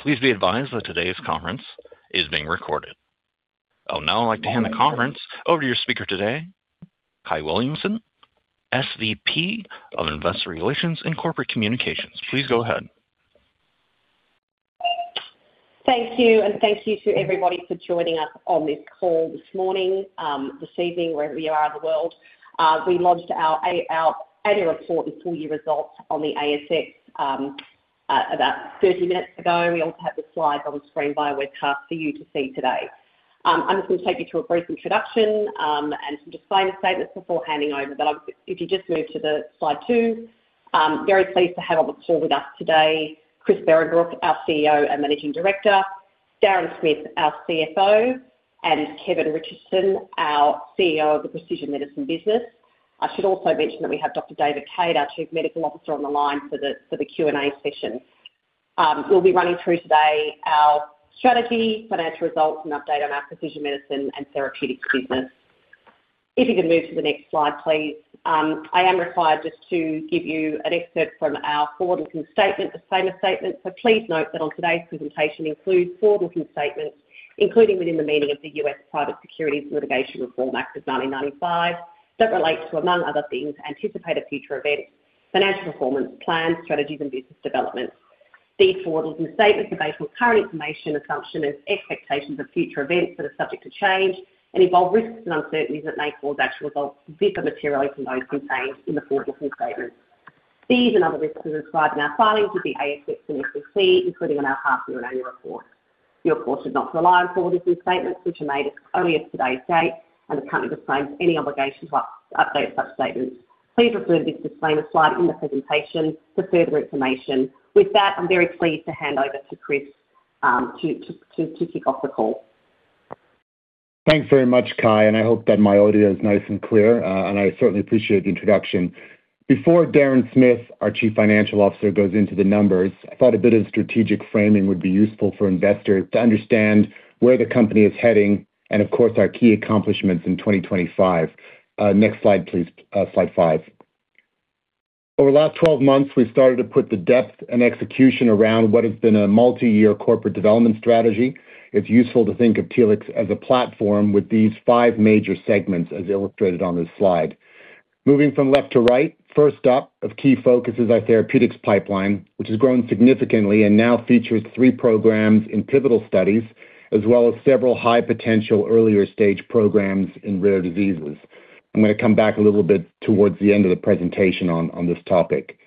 Please be advised that today's conference is being recorded. I would now like to hand the conference over to your speaker today, Kyahn Williamson, Senior Vice President of Investor Relations and Corporate Communications. Please go ahead. Thank you, and thank you to everybody for joining us on this call this morning, this evening, wherever you are in the world. We launched our annual report and full year results on the ASX about 30 minutes ago. We also have the slides on screen via webcast for you to see today. I'm just going to take you through a brief introduction, and some disclaimer statements before handing over. I would if you just move to the slide two. I'm very pleased to have on the call with us today, Christian Behrenbruch, our Chief Executive Officer and Managing Director, Darren Smith, our Chief Financial Officer, and Kevin Richardson, our Chief Executive Officer of the Precision Medicine Business. I should also mention that we have Dr. David Cade, our Chief Medical Officer, on the line for the Q&A session. We'll be running through today our strategy, financial results, and update on our precision medicine and therapeutics business. If you can move to the next slide, please. I am required just to give you an excerpt from our forward-looking statement, the famous statement. So please note that on today's presentation includes forward-looking statements, including within the meaning of the US Private Securities Litigation Reform Act of 1995, that relates to, among other things, anticipated future events, financial performance, plans, strategies, and business developments. These forward-looking statements are based on current information, assumptions, and expectations of future events that are subject to change and involve risks and uncertainties that may cause actual results to differ materially from those contained in the forward-looking statements. These and other risks are described in our filings with the ASX and SEC, including in our half year and annual report. You, of course, should not rely on forward-looking statements, which are made as early as today's date, and the company disclaims any obligation to update such statements. Please refer to this disclaimer slide in the presentation for further information. With that, I'm very pleased to hand over to Chris to kick off the call. Thanks very much, Kai, and I hope that my audio is nice and clear, and I certainly appreciate the introduction. Before Darren Smith, our Chief Financial Officer, goes into the numbers, I thought a bit of strategic framing would be useful for investors to understand where the company is heading and, of course, our key accomplishments in 2025. Next slide, please. Slide five. Over the last 12 months, we've started to put the depth and execution around what has been a multi-year corporate development strategy. It's useful to think of Telix as a platform with these five major segments, as illustrated on this slide. Moving from left to right, first up of key focus is our therapeutics pipeline, which has grown significantly and now features three programs in pivotal studies, as well as several high-potential earlier-stage programs in rare diseases. I'm going to come back a little bit towards the end of the presentation on this topic.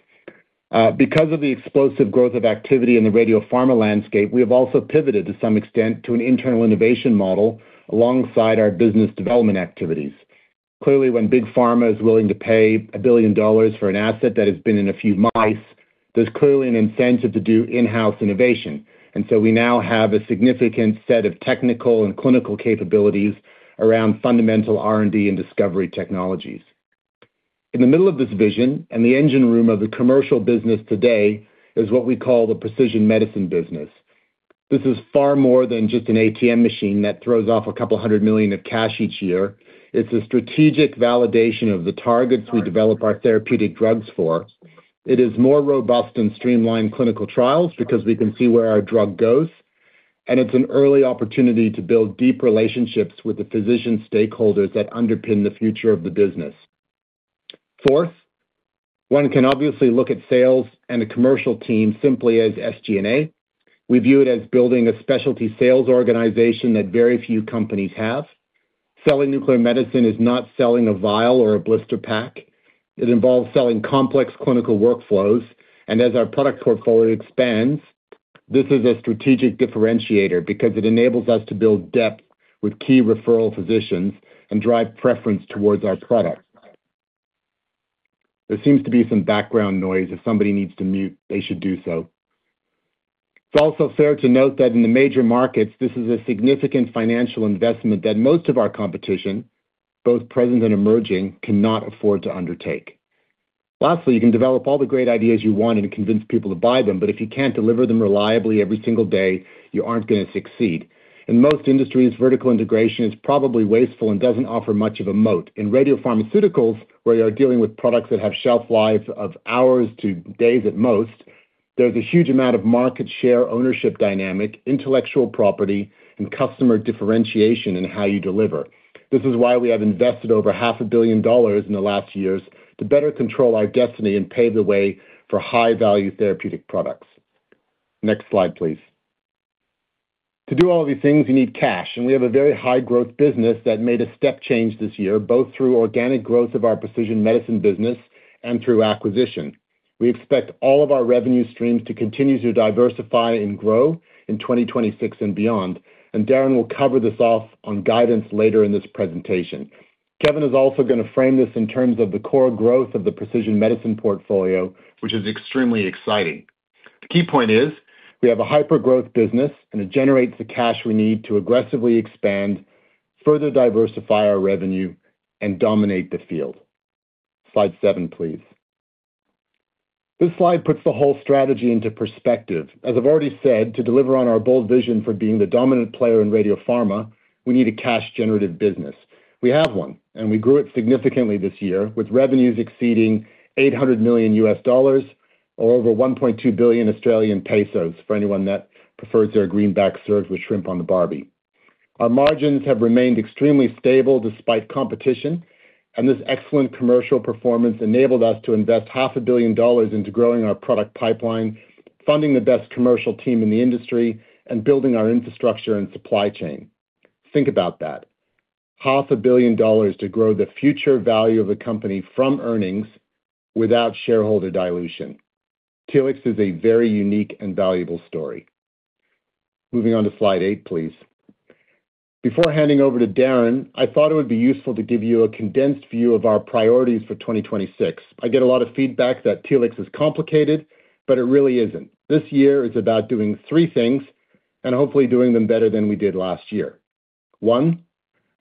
Because of the explosive growth of activity in the radiopharma landscape, we have also pivoted to some extent to an internal innovation model alongside our business development activities. Clearly, when big pharma is willing to pay $1 billion for an asset that has been in a few mice, there's clearly an incentive to do in-house innovation. And so we now have a significant set of technical and clinical capabilities around fundamental R&D and discovery technologies. In the middle of this vision, and the engine room of the commercial business today, is what we call the precision medicine business. This is far more than just an ATM machine that throws off $200 million of cash each year. It's a strategic validation of the targets we develop our therapeutic drugs for. It is more robust and streamlined clinical trials because we can see where our drug goes, and it's an early opportunity to build deep relationships with the physician stakeholders that underpin the future of the business. Fourth, one can obviously look at sales and the commercial team simply as SG&A. We view it as building a specialty sales organization that very few companies have. Selling nuclear medicine is not selling a vial or a blister pack. It involves selling complex clinical workflows, and as our product portfolio expands, this is a strategic differentiator because it enables us to build depth with key referral physicians and drive preference towards our products. There seems to be some background noise. If somebody needs to mute, they should do so. It's also fair to note that in the major markets, this is a significant financial investment that most of our competition, both present and emerging, cannot afford to undertake. Lastly, you can develop all the great ideas you want and convince people to buy them, but if you can't deliver them reliably every single day, you aren't going to succeed. In most industries, vertical integration is probably wasteful and doesn't offer much of a moat. In radiopharmaceuticals, where you are dealing with products that have shelf lives of hours to days at most, there's a huge amount of market share, ownership dynamic, intellectual property, and customer differentiation in how you deliver. This is why we have invested over $500 million in the last years to better control our destiny and pave the way for high-value therapeutic products. Next slide, please. To do all of these things, you need cash, and we have a very high-growth business that made a step change this year, both through organic growth of our precision medicine business and through acquisition. We expect all of our revenue streams to continue to diversify and grow in 2026 and beyond, and Darren will cover this off on guidance later in this presentation. Kevin is also going to frame this in terms of the core growth of the precision medicine portfolio, which is extremely exciting. The key point is we have a hyper-growth business, and it generates the cash we need to aggressively expand, further diversify our revenue, and dominate the field. Slide seven, please. This slide puts the whole strategy into perspective. As I've already said, to deliver on our bold vision for being the dominant player in radiopharma, we need a cash-generative business. We have one, and we grew it significantly this year, with revenues exceeding $800 million or over AUD 1.2 billion, for anyone that prefers their greenback served with shrimp on the barbie. Our margins have remained extremely stable despite competition, and this excellent commercial performance enabled us to invest $500 million into growing our product pipeline, funding the best commercial team in the industry, and building our infrastructure and supply chain. Think about that. $500 Billion to grow the future value of a company from earnings without shareholder dilution. Telix is a very unique and valuable story. Moving on to Slide eight, please. Before handing over to Darren, I thought it would be useful to give you a condensed view of our priorities for 2026. I get a lot of feedback that Telix is complicated, but it really isn't. This year is about doing three things and hopefully doing them better than we did last year. one,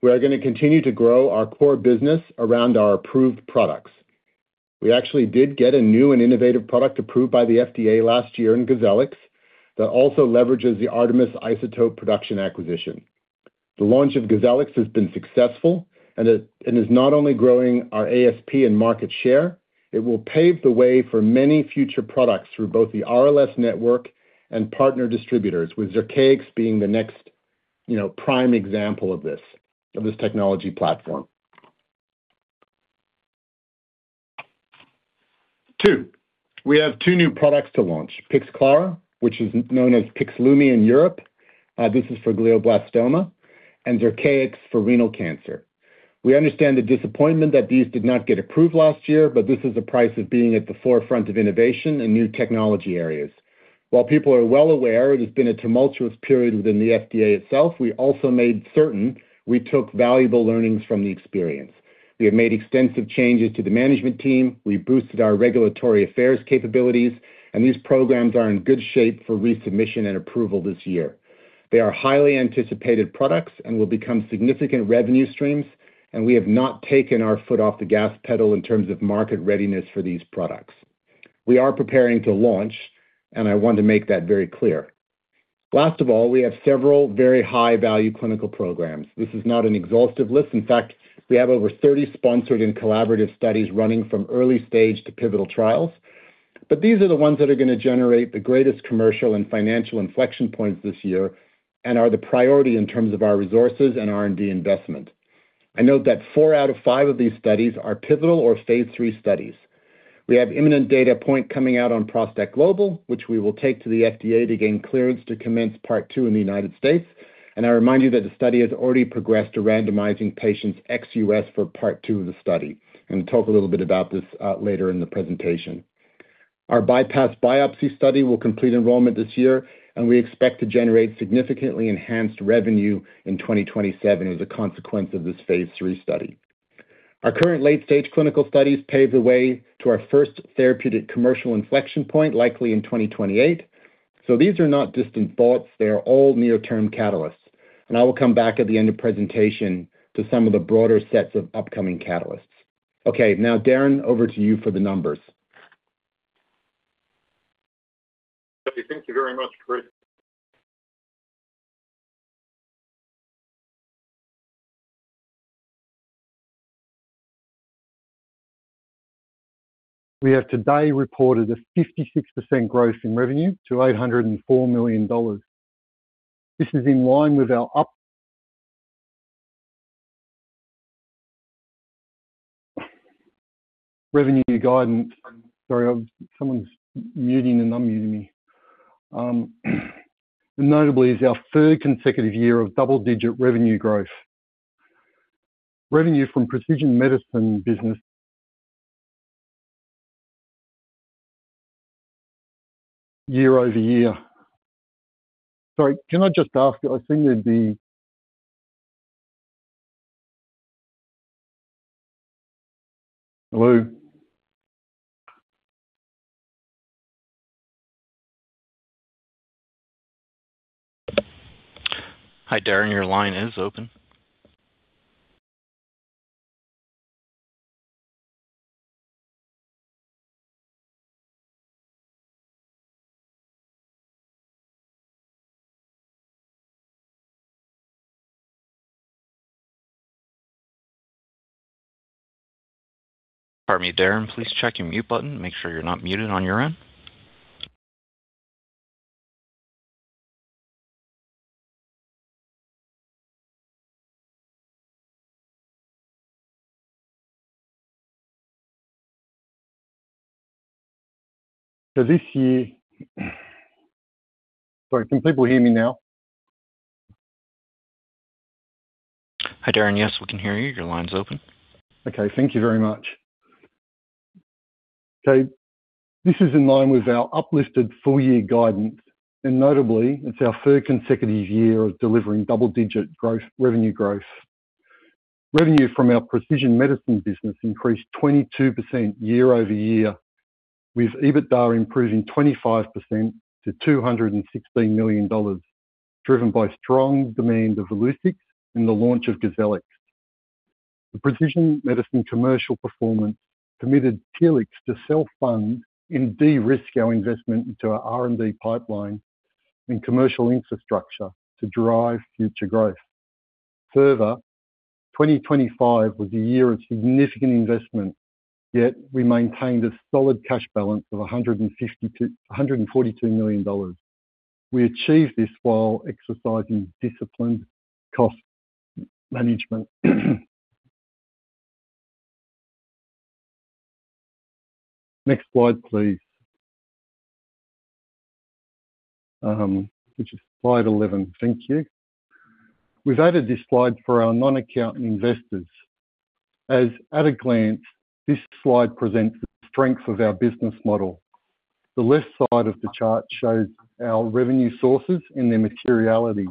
we are gonna continue to grow our core business around our approved products. We actually did get a new and innovative product approved by the FDA last year in Gleolan, that also leverages the ARTMS isotope production acquisition. The launch of Gozetotide has been successful and it, and is not only growing our ASP and market share, it will pave the way for many future products through both the RLS network and partner distributors, with Zircaix being the next, you know, prime example of this, of this technology platform. Two, we have two new products to launch, Pixclara, which is known as Pixlumia in Europe. This is for glioblastoma and Zircaix for renal cancer. We understand the disappointment that these did not get approved last year, but this is the price of being at the forefront of innovation in new technology areas. While people are well aware it has been a tumultuous period within the FDA itself, we also made certain we took valuable learnings from the experience. We have made extensive changes to the management team, we boosted our regulatory affairs capabilities, and these programs are in good shape for resubmission and approval this year. They are highly anticipated products and will become significant revenue streams, and we have not taken our foot off the gas pedal in terms of market readiness for these products. We are preparing to launch, and I want to make that very clear. Last of all, we have several very high-value clinical programs. This is not an exhaustive list. In fact, we have over 30 sponsored and collaborative studies running from early stage to pivotal trials. But these are the ones that are gonna generate the greatest commercial and financial inflection points this year and are the priority in terms of our resources and R&D investment. I note that four out of five of these studies are pivotal or phase III studies. We have imminent data point coming out on ProstACT Global, which we will take to the FDA to gain clearance to commence part two in the United States, and I remind you that the study has already progressed to randomizing patients ex-U.S for part two of the study, and talk a little bit about this later in the presentation. Our bypass biopsy study will complete enrollment this year, and we expect to generate significantly enhanced revenue in 2027 as a consequence of this phase III study. Our current late-stage clinical studies pave the way to our first therapeutic commercial inflection point, likely in 2028. These are not distant thoughts, they are all near-term catalysts, and I will come back at the end of presentation to some of the broader sets of upcoming catalysts. Okay, now, Darren, over to you for the numbers. Thank you very much, Chris. We have today reported a 56% growth in revenue to $804 million. This is in line with our up-revenue guidance. Sorry, I've--someone's muting and unmuting me. Notably, it's our third consecutive year of double-digit revenue growth. Revenue from precision medicine business-year-over-year. Sorry, can I just ask, I think there'd be. Hello? Hi, Darren, your line is open. Pardon me, Darren, please check your mute button. Make sure you're not muted on your end. This year, sorry, can people hear me now? Hi, Darren. Yes, we can hear you. Your line's open. Okay, thank you very much. So this is in line with our uplifted full year guidance, and notably, it's our third consecutive year of delivering double-digit growth, revenue growth. Revenue from our precision medicine business increased 22% year-over-year, with EBITDA improving 25% to $216 million, driven by strong demand of Illuccix and the launch of Gleolan. The precision medicine commercial performance permitted Telix to self-fund and de-risk our investment into our R&D pipeline and commercial infrastructure to drive future growth. Further-. 2025 was a year of significant investment, yet we maintained a solid cash balance of $152 million, $142 million. We achieved this while exercising disciplined cost management. Next slide, please. Which is slide 11. Thank you. We've added this slide for our non-accountant investors. At a glance, this slide presents the strength of our business model. The left side of the chart shows our revenue sources and their materiality.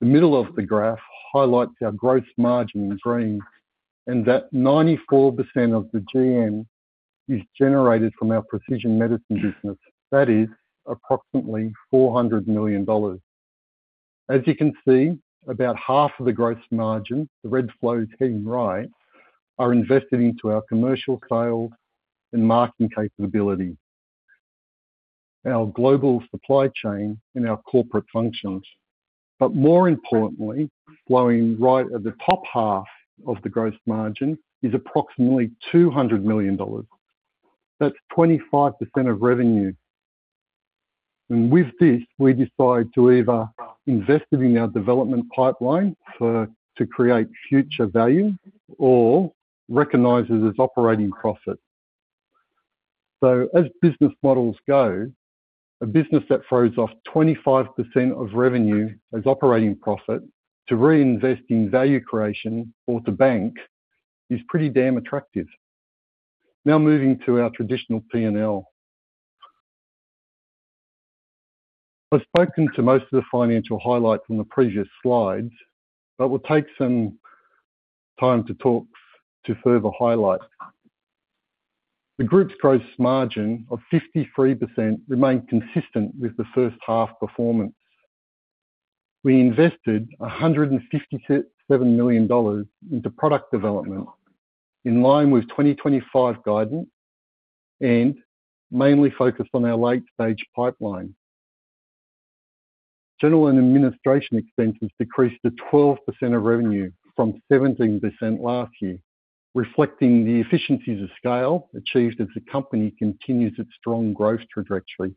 The middle of the graph highlights our gross margin in green, and that 94% of the GM is generated from our precision medicine business, that is approximately $400 million. As you can see, about half of the gross margin, the red flow heading right, are invested into our commercial sales and marketing capability, our global supply chain, and our corporate functions. But more importantly, flowing right at the top half of the gross margin is approximately $200 million. That's 25% of revenue. And with this, we decide to either invest it in our development pipeline for, to create future value or recognize it as operating profit. So as business models go, a business that throws off 25% of revenue as operating profit to reinvest in value creation or to bank, is pretty damn attractive. Now moving to our traditional P&L. I've spoken to most of the financial highlights on the previous slides, but we'll take some time to talk, to further highlight. The group's gross margin of 53% remained consistent with the first half performance. We invested $157 million into product development in line with 2025 guidance and mainly focused on our late-stage pipeline. General and administration expenses decreased to 12% of revenue from 17% last year, reflecting the efficiencies of scale achieved as the company continues its strong growth trajectory.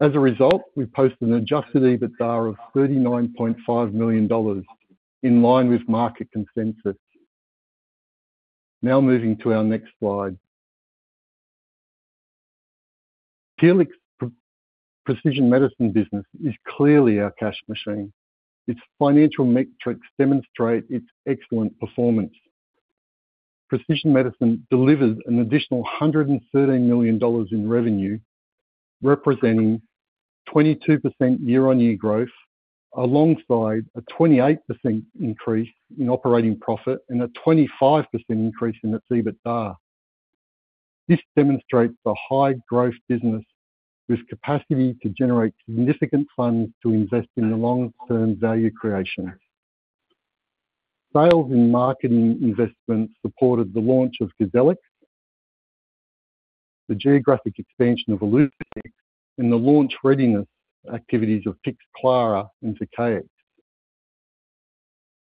As a result, we posted an adjusted EBITDA of $39.5 million, in line with market consensus. Now moving to our next slide. Telix Precision Medicine business is clearly our cash machine. Its financial metrics demonstrate its excellent performance. Precision Medicine delivered an additional $113 million in revenue, representing 22% year-on-year growth, alongside a 28% increase in operating profit and a 25% increase in its EBITDA. This demonstrates a high-growth business with capacity to generate significant funds to invest in the long-term value creation. Sales and marketing investments supported the launch of Gleolan, the geographic expansion of Illuccix, and the launch readiness activities of Pixclara into Zircaix.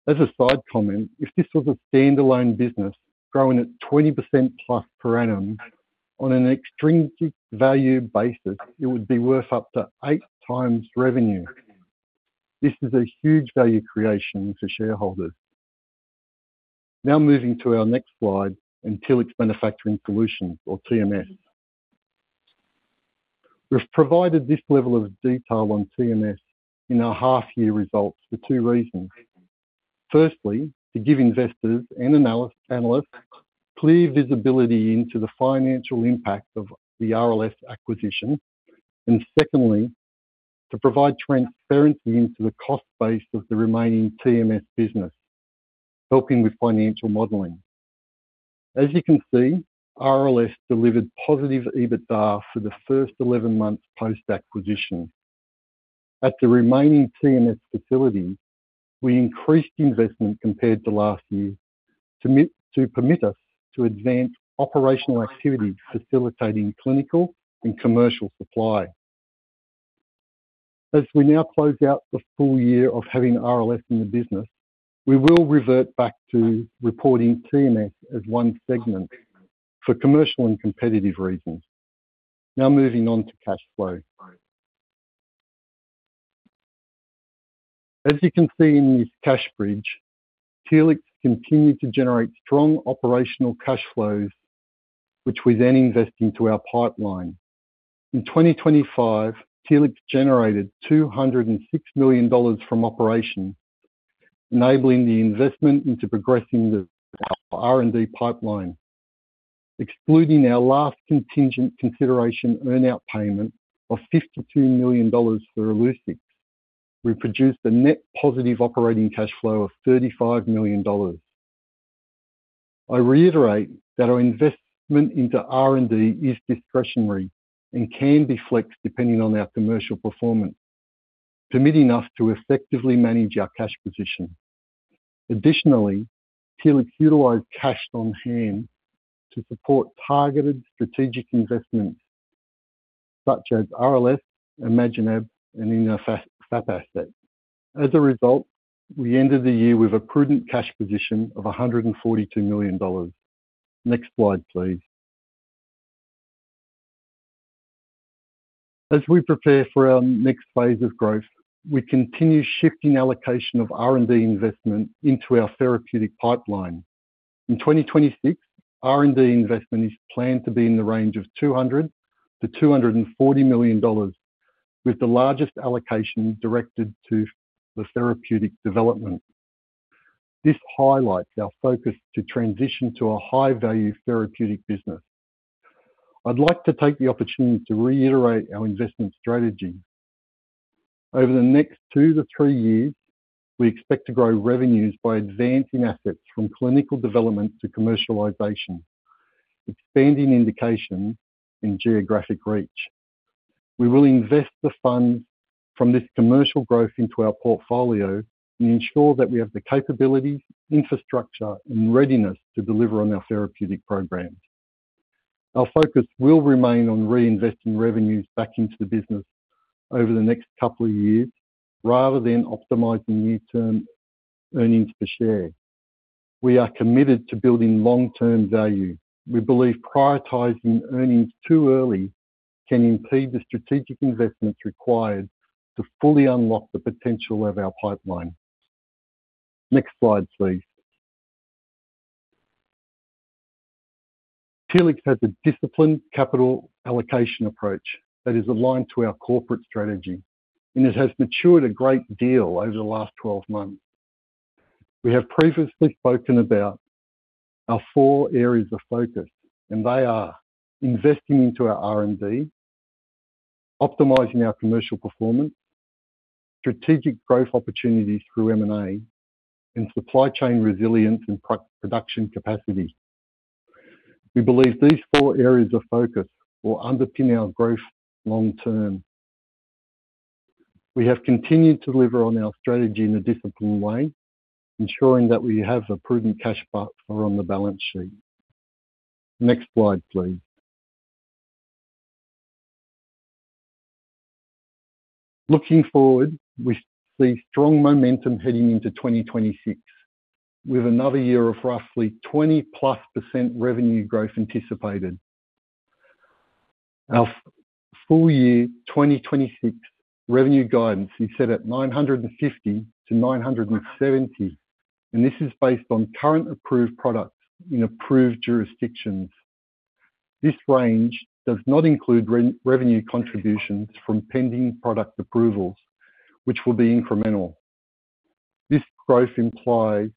As a side comment, if this was a standalone business growing at 20%+ per annum on an extrinsic value basis, it would be worth up to 8x revenue. This is a huge value creation for shareholders. Now moving to our next slide, and Telix Manufacturing Solutions or TMS. We've provided this level of detail on TMS in our half-year results for two reasons. Firstly, to give investors and analysts clear visibility into the financial impact of the RLS acquisition. And secondly, to provide transparency into the cost base of the remaining TMS business, helping with financial modeling. As you can see, RLS delivered positive EBITDA for the first 11 months post-acquisition. At the remaining TMS facility, we increased investment compared to last year to permit us to advance operational activities, facilitating clinical and commercial supply. As we now close out the full year of having RLS in the business, we will revert back to reporting TMS as one segment for commercial and competitive reasons. Now moving on to cash flow. As you can see in this cash bridge, Telix continued to generate strong operational cash flows, which we then invest into our pipeline. In 2025, Telix generated $206 million from operations, enabling the investment into progressing the R&D pipeline. Excluding our last contingent consideration earn-out payment of $52 million for Illuccix, we produced a net positive operating cash flow of $35 million. I reiterate that our investment into R&D is discretionary and can be flexed depending on our commercial performance, permitting us to effectively manage our cash position. Additionally, Telix utilized cash on hand to support targeted strategic investments... such as RLS, ImaginAb, and in our FAP asset. As a result, we ended the year with a prudent cash position of $142 million. Next slide, please. As we prepare for our next phase of growth, we continue shifting allocation of R&D investment into our therapeutic pipeline. In 2026, R&D investment is planned to be in the range of $200 million-$240 million, with the largest allocation directed to the therapeutic development. This highlights our focus to transition to a high-value therapeutic business. I'd like to take the opportunity to reiterate our investment strategy. Over the next two to three years, we expect to grow revenues by advancing assets from clinical development to commercialization, expanding indications and geographic reach. We will invest the funds from this commercial growth into our portfolio and ensure that we have the capabilities, infrastructure, and readiness to deliver on our therapeutic programs. Our focus will remain on reinvesting revenues back into the business over the next couple of years, rather than optimizing near-term earnings per share. We are committed to building long-term value. We believe prioritizing earnings too early can impede the strategic investments required to fully unlock the potential of our pipeline. Next slide, please. Telix has a disciplined capital allocation approach that is aligned to our corporate strategy, and it has matured a great deal over the last 12 months. We have previously spoken about our four areas of focus, and they are: investing into our R&D, optimizing our commercial performance, strategic growth opportunities through M&A, and supply chain resilience and production capacity. We believe these four areas of focus will underpin our growth long term. We have continued to deliver on our strategy in a disciplined way, ensuring that we have a prudent cash buffer on the balance sheet. Next slide, please. Looking forward, we see strong momentum heading into 2026, with another year of roughly 20%+ revenue growth anticipated. Our full year 2026 revenue guidance is set at $950 million-$970 million, and this is based on current approved products in approved jurisdictions. This range does not include revenue contributions from pending product approvals, which will be incremental. This growth implies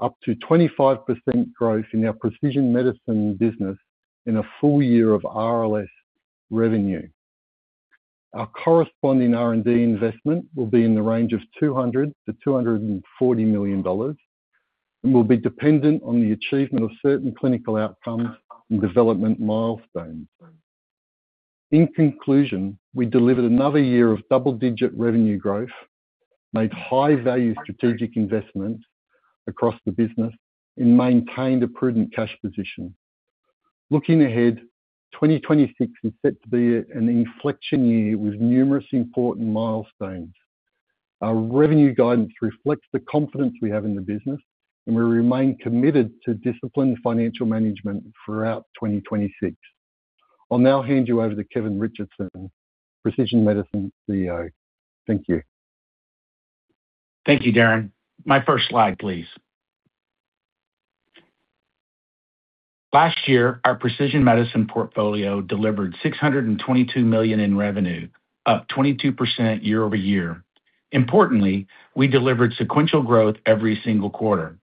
up to 25% growth in our precision medicine business in a full year of RLS revenue. Our corresponding R&D investment will be in the range of $200 million-$240 million and will be dependent on the achievement of certain clinical outcomes and development milestones. In conclusion, we delivered another year of double-digit revenue growth, made high-value strategic investments across the business, and maintained a prudent cash position. Looking ahead, 2026 is set to be an inflection year with numerous important milestones. Our revenue guidance reflects the confidence we have in the business, and we remain committed to disciplined financial management throughout 2026. I'll now hand you over to Kevin Richardson, Precision Medicine Chief Executive Officer. Thank you. Thank you, Darren. My first slide, please. Last year, our precision medicine portfolio delivered $622 million in revenue, up 22% year-over-year. Importantly, we delivered sequential growth every single quarter.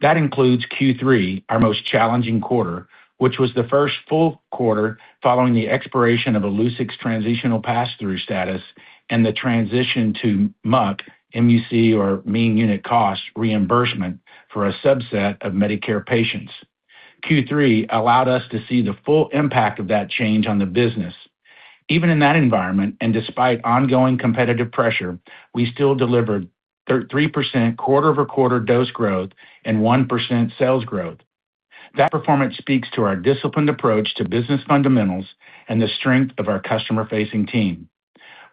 That includes Q3, our most challenging quarter, which was the first full quarter following the expiration of Illuccix's transitional pass-through status and the transition to MUC, or mean unit cost, reimbursement for a subset of Medicare patients. Q3 allowed us to see the full impact of that change on the business. Even in that environment, and despite ongoing competitive pressure, we still delivered 3% quarter-over-quarter dose growth and 1% sales growth. That performance speaks to our disciplined approach to business fundamentals and the strength of our customer-facing team.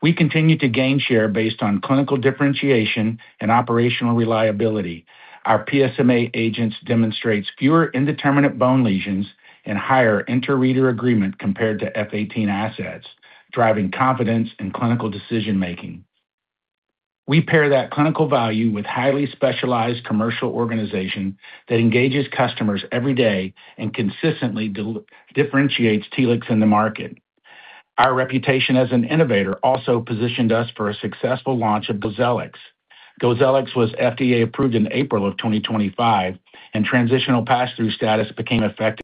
We continue to gain share based on clinical differentiation and operational reliability. Our PSMA agents demonstrates fewer indeterminate bone lesions and higher inter-reader agreement compared to F-18 assets, driving confidence in clinical decision-making. We pair that clinical value with highly specialized commercial organization that engages customers every day and consistently de-differentiates Telix in the market. Our reputation as an innovator also positioned us for a successful launch of Gleolan. Gleolan was FDA approved in April 2025, and transitional pass-through status became effective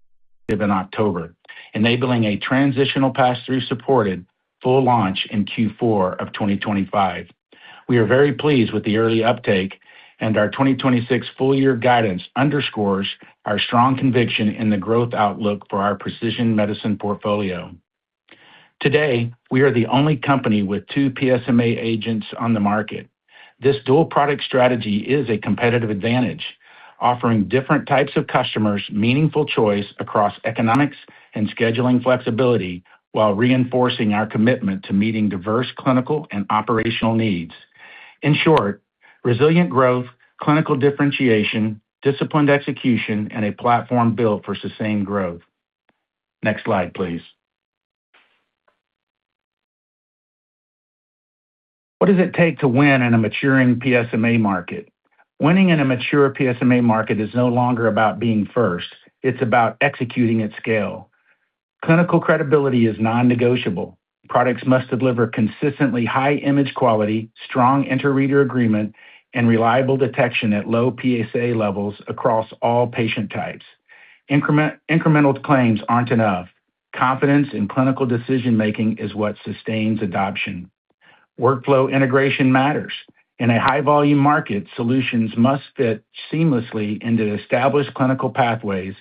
in October, enabling a transitional pass-through-supported full launch in Q4 2025. We are very pleased with the early uptake, and our 2026 full year guidance underscores our strong conviction in the growth outlook for our precision medicine portfolio. Today, we are the only company with two PSMA agents on the market. This dual product strategy is a competitive advantage, offering different types of customers meaningful choice across economics and scheduling flexibility, while reinforcing our commitment to meeting diverse clinical and operational needs. In short, resilient growth, clinical differentiation, disciplined execution, and a platform built for sustained growth. Next slide, please. What does it take to win in a maturing PSMA market? Winning in a mature PSMA market is no longer about being first. It's about executing at scale. Clinical credibility is non-negotiable. Products must deliver consistently high image quality, strong inter-reader agreement, and reliable detection at low PSA levels across all patient types. Incremental claims aren't enough. Confidence in clinical decision-making is what sustains adoption. Workflow integration matters. In a high-volume market, solutions must fit seamlessly into established clinical pathways,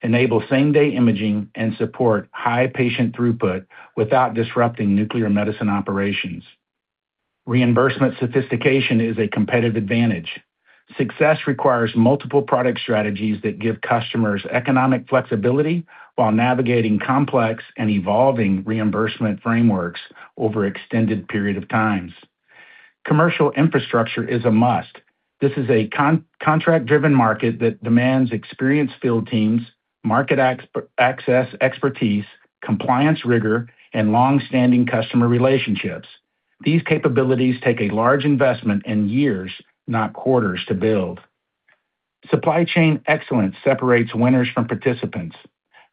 enable same-day imaging, and support high patient throughput without disrupting nuclear medicine operations. Reimbursement sophistication is a competitive advantage. Success requires multiple product strategies that give customers economic flexibility while navigating complex and evolving reimbursement frameworks over extended period of times. Commercial infrastructure is a must. This is a contract-driven market that demands experienced field teams, market access expertise, compliance rigor, and long-standing customer relationships. These capabilities take a large investment in years, not quarters, to build. Supply chain excellence separates winners from participants.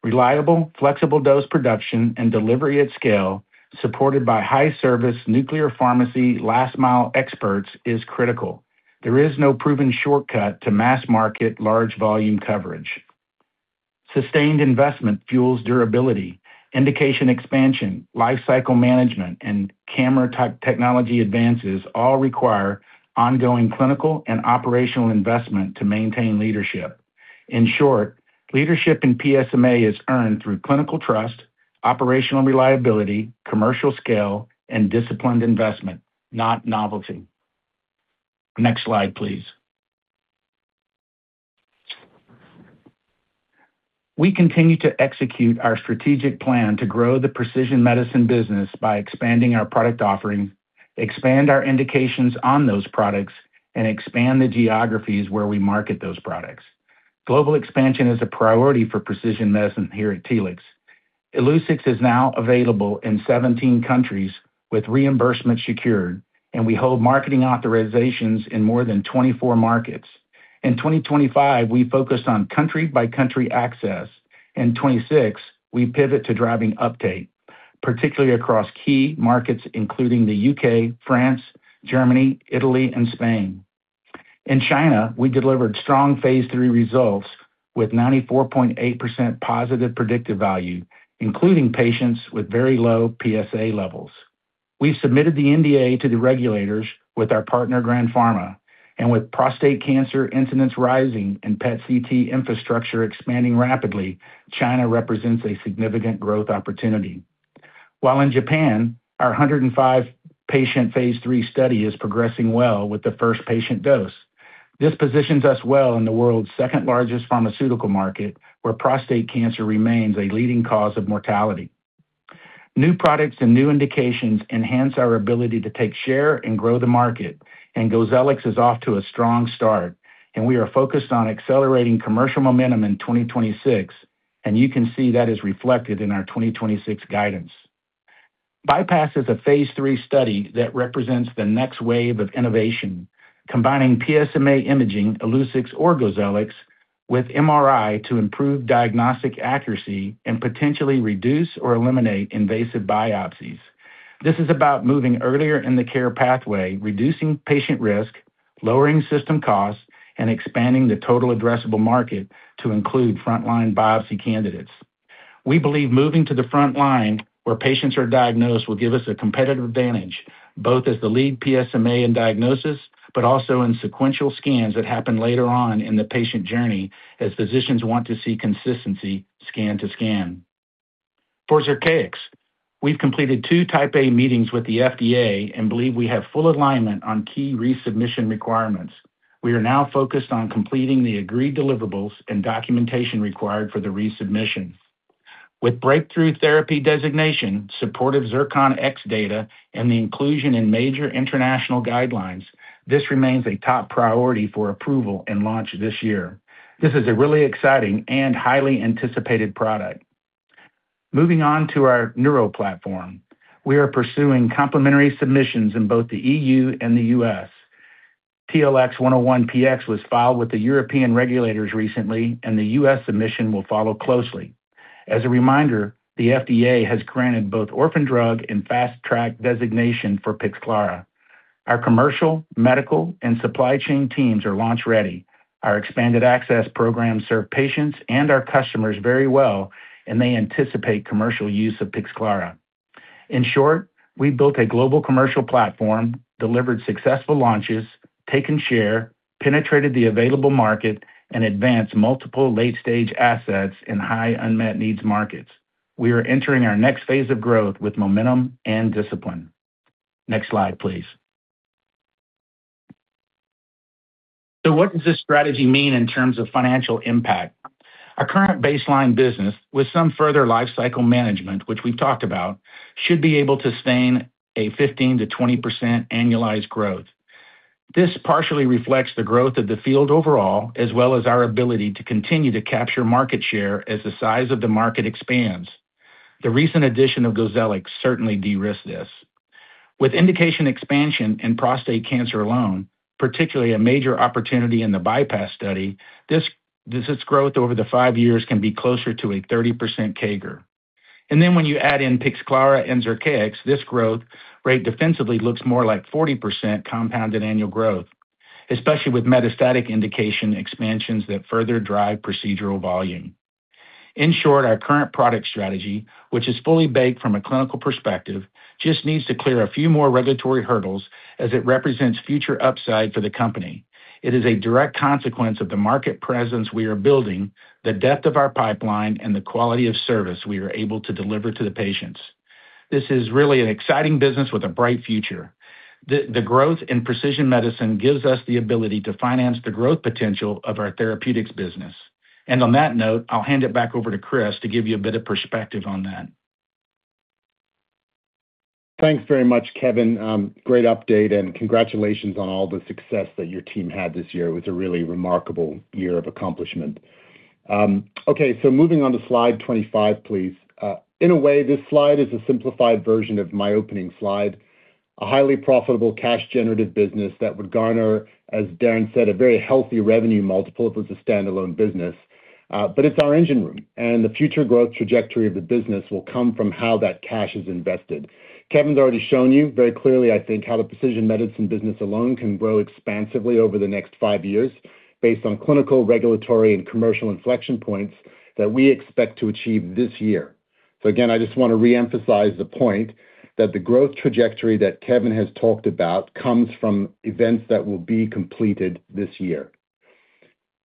Reliable, flexible dose production and delivery at scale, supported by high-service nuclear pharmacy last-mile experts, is critical. There is no proven shortcut to mass-market, large-volume coverage. Sustained investment fuels durability, indication expansion, lifecycle management, and camera technology advances all require ongoing clinical and operational investment to maintain leadership. In short, leadership in PSMA is earned through clinical trust, operational reliability, commercial scale, and disciplined investment, not novelty. Next slide, please. We continue to execute our strategic plan to grow the precision medicine business by expanding our product offering, expand our indications on those products, and expand the geographies where we market those products. Global expansion is a priority for precision medicine here at Telix. Illuccix is now available in 17 countries with reimbursement secured, and we hold marketing authorizations in more than 24 markets. In 2025, we focused on country-by-country access. In 2026, we pivot to driving uptake, particularly across key markets including the U.K., France, Germany, Italy, and Spain. In China, we delivered strong phase III results with 94.8% positive predictive value, including patients with very low PSA levels. We've submitted the NDA to the regulators with our partner, Grand Pharma, and with prostate cancer incidence rising and PET CT infrastructure expanding rapidly, China represents a significant growth opportunity. While in Japan, our 105-patient phase III study is progressing well with the first patient dose. This positions us well in the world's second-largest pharmaceutical market, where prostate cancer remains a leading cause of mortality. New products and new indications enhance our ability to take share and grow the market, and Gleolan is off to a strong start, and we are focused on accelerating commercial momentum in 2026, and you can see that is reflected in our 2026 guidance. BYPASS is a phase III study that represents the next wave of innovation, combining PSMA imaging, Illuccix or Gleolan, with MRI to improve diagnostic accuracy and potentially reduce or eliminate invasive biopsies. This is about moving earlier in the care pathway, reducing patient risk, lowering system costs, and expanding the total addressable market to include frontline biopsy candidates. We believe moving to the frontline where patients are diagnosed will give us a competitive advantage, both as the lead PSMA in diagnosis, but also in sequential scans that happen later on in the patient journey as physicians want to see consistency scan to scan. For Zircaix, we've completed 2 Type A meetings with the FDA and believe we have full alignment on key resubmission requirements. We are now focused on completing the agreed deliverables and documentation required for the resubmission. With breakthrough therapy designation, supportive ZIRCON data, and the inclusion in major international guidelines, this remains a top priority for approval and launch this year. This is a really exciting and highly anticipated product. Moving on to our neuroplatform. We are pursuing complementary submissions in both the EU and the U.S. TLX101-CDx was filed with the European regulators recently, and the U.S. submission will follow closely. As a reminder, the FDA has granted both orphan drug and fast track designation for Pixclara. Our commercial, medical, and supply chain teams are launch-ready. Our expanded access programs serve patients and our customers very well, and they anticipate commercial use of Pixclara. In short, we've built a global commercial platform, delivered successful launches, taken share, penetrated the available market, and advanced multiple late-stage assets in high unmet needs markets.. We are entering our next phase of growth with momentum and discipline. Next slide, please. So what does this strategy mean in terms of financial impact? Our current baseline business, with some further lifecycle management, which we've talked about, should be able to sustain a 15%-20% annualized growth. This partially reflects the growth of the field overall, as well as our ability to continue to capture market share as the size of the market expands. The recent addition of Gleolan certainly de-risked this. With indication expansion in prostate cancer alone, particularly a major opportunity in the BYPASS study, this growth over the five years can be closer to a 30% CAGR. And then when you add in Pixclara and Zircaix, this growth rate defensively looks more like 40% compounded annual growth, especially with metastatic indication expansions that further drive procedural volume. In short, our current product strategy, which is fully baked from a clinical perspective, just needs to clear a few more regulatory hurdles as it represents future upside for the company. It is a direct consequence of the market presence we are building, the depth of our pipeline, and the quality of service we are able to deliver to the patients. This is really an exciting business with a bright future. The growth in precision medicine gives us the ability to finance the growth potential of our therapeutics business. On that note, I'll hand it back over to Chris to give you a bit of perspective on that. Thanks very much, Kevin. Great update, and congratulations on all the success that your team had this year. It was a really remarkable year of accomplishment. Okay, so moving on to slide 25, please. In a way, this slide is a simplified version of my opening slide. A highly profitable cash generative business that would garner, as Darren said, a very healthy revenue multiple if it was a standalone business, but it's our engine room, and the future growth trajectory of the business will come from how that cash is invested. Kevin's already shown you very clearly, I think, how the precision medicine business alone can grow expansively over the next five years based on clinical, regulatory, and commercial inflection points that we expect to achieve this year. So again, I just want to reemphasize the point that the growth trajectory that Kevin has talked about comes from events that will be completed this year.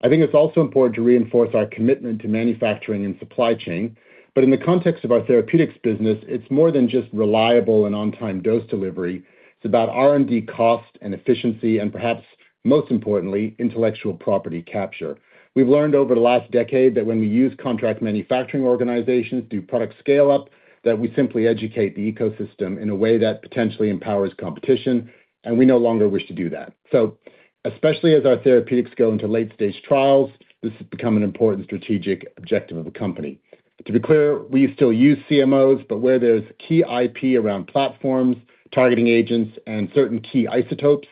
I think it's also important to reinforce our commitment to manufacturing and supply chain, but in the context of our therapeutics business, it's more than just reliable and on-time dose delivery. It's about R&D cost and efficiency, and perhaps, most importantly, intellectual property capture. We've learned over the last decade that when we use contract manufacturing organizations through product scale-up, that we simply educate the ecosystem in a way that potentially empowers competition, and we no longer wish to do that. So especially as our therapeutics go into late-stage trials, this has become an important strategic objective of the company. To be clear, we still use CMOs, but where there's key IP around platforms, targeting agents, and certain key isotopes,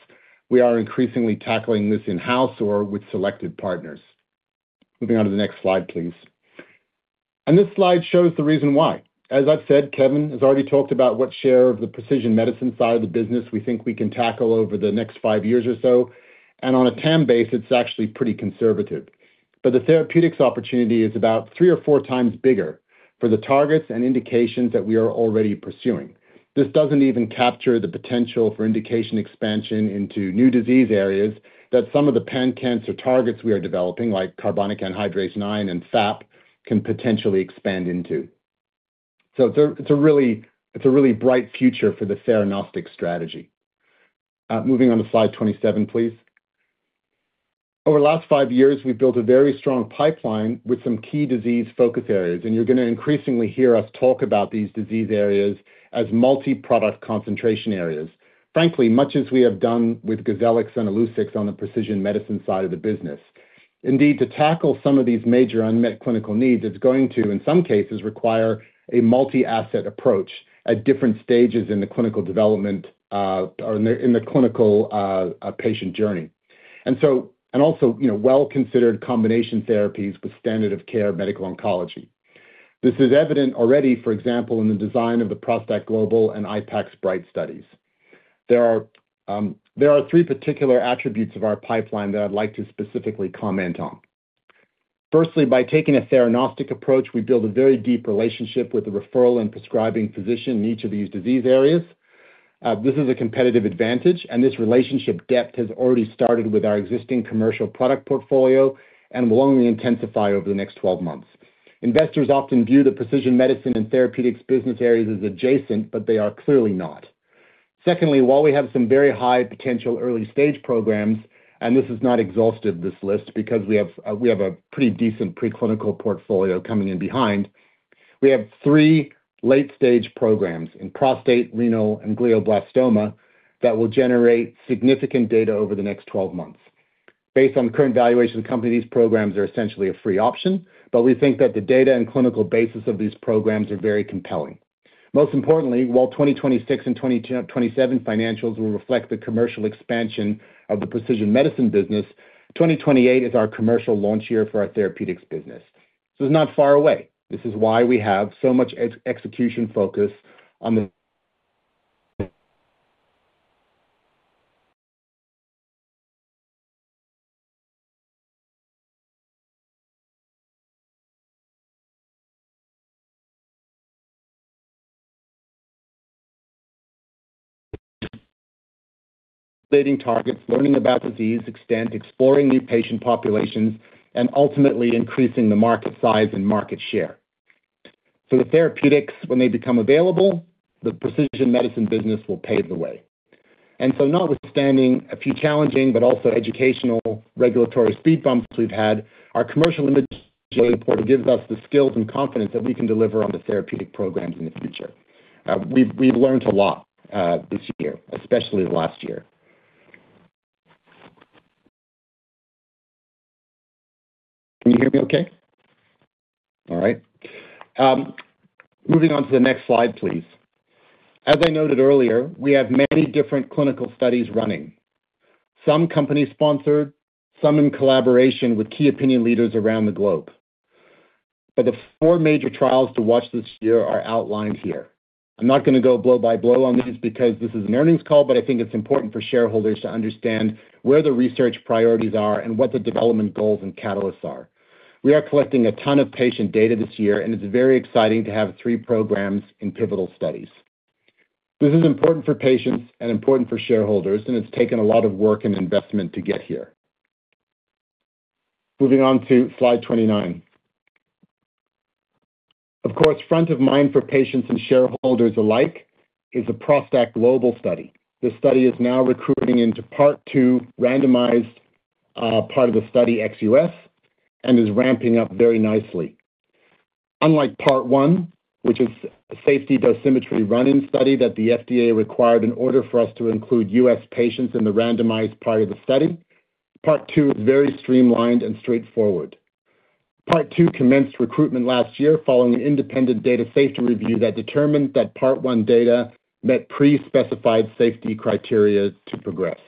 we are increasingly tackling this in-house or with selected partners. Moving on to the next slide, please. This slide shows the reason why. As I've said, Kevin has already talked about what share of the precision medicine side of the business we think we can tackle over the next five years or so, and on a TAM base, it's actually pretty conservative. But the therapeutics opportunity is about three or four times bigger for the targets and indications that we are already pursuing. This doesn't even capture the potential for indication expansion into new disease areas that some of the pan-cancer targets we are developing, like carbonic anhydrase IX and FAP, can potentially expand into. So it's a, it's a really bright future for the theranostics strategy. Moving on to slide 27, please. Over the last five years, we've built a very strong pipeline with some key disease focus areas, and you're gonna increasingly hear us talk about these disease areas as multi-product concentration areas. Frankly, much as we have done with Gleolan and Illuccix on the precision medicine side of the business. Indeed, to tackle some of these major unmet clinical needs, it's going to, in some cases, require a multi-asset approach at different stages in the clinical development, or in the, in the clinical, patient journey. And also, you know, well-considered combination therapies with standard of care medical oncology. This is evident already, for example, in the design of the ProstACT Global and IPAX / IPAX-BRIGHT studies. There are there are three particular attributes of our pipeline that I'd like to specifically comment on. Firstly, by taking a theranostics approach, we build a very deep relationship with the referral and prescribing physician in each of these disease areas. This is a competitive advantage, and this relationship depth has already started with our existing commercial product portfolio and will only intensify over the next 12 months. Investors often view the precision medicine and therapeutics business areas as adjacent, but they are clearly not. Secondly, while we have some very high potential early-stage programs, and this is not exhausted, this list, because we have a pretty decent preclinical portfolio coming in behind, we have three late-stage programs in prostate, renal, and glioblastoma that will generate significant data over the next 12 months. Based on the current valuation company, these programs are essentially a free option, but we think that the data and clinical basis of these programs are very compelling. Most importantly, while 2026 and 2027 financials will reflect the commercial expansion of the precision medicine business, 2028 is our commercial launch year for our therapeutics business. So it's not far away. This is why we have so much execution focus on the targets, learning about disease extent, exploring new patient populations, and ultimately increasing the market size and market share. So the therapeutics, when they become available, the precision medicine business will pave the way. And so notwithstanding a few challenging but also educational regulatory speed bumps we've had, our commercial imaging report gives us the skills and confidence that we can deliver on the therapeutic programs in the future. We've learned a lot this year, especially last year. Can you hear me okay? All right. Moving on to the next slide, please. As I noted earlier, we have many different clinical studies running, some company-sponsored, some in collaboration with key opinion leaders around the globe. But the four major trials to watch this year are outlined here. I'm not gonna go blow by blow on these because this is an earnings call, but I think it's important for shareholders to understand where the research priorities are and what the development goals and catalysts are. We are collecting a ton of patient data this year, and it's very exciting to have three programs in pivotal studies. This is important for patients and important for shareholders, and it's taken a lot of work and investment to get here. Moving on to slide 29. Of course, front of mind for patients and shareholders alike is a ProstACT Global study. This study is now recruiting into part two, randomized, part of the study, ex-U.S., and is ramping up very nicely. Unlike part one, which is a safety dosimetry run-in study that the FDA required in order for us to include U.S. patients in the randomized part of the study, part two is very streamlined and straightforward. Part two commenced recruitment last year, following an independent data safety review that determined that part one data met pre-specified safety criteria to progress.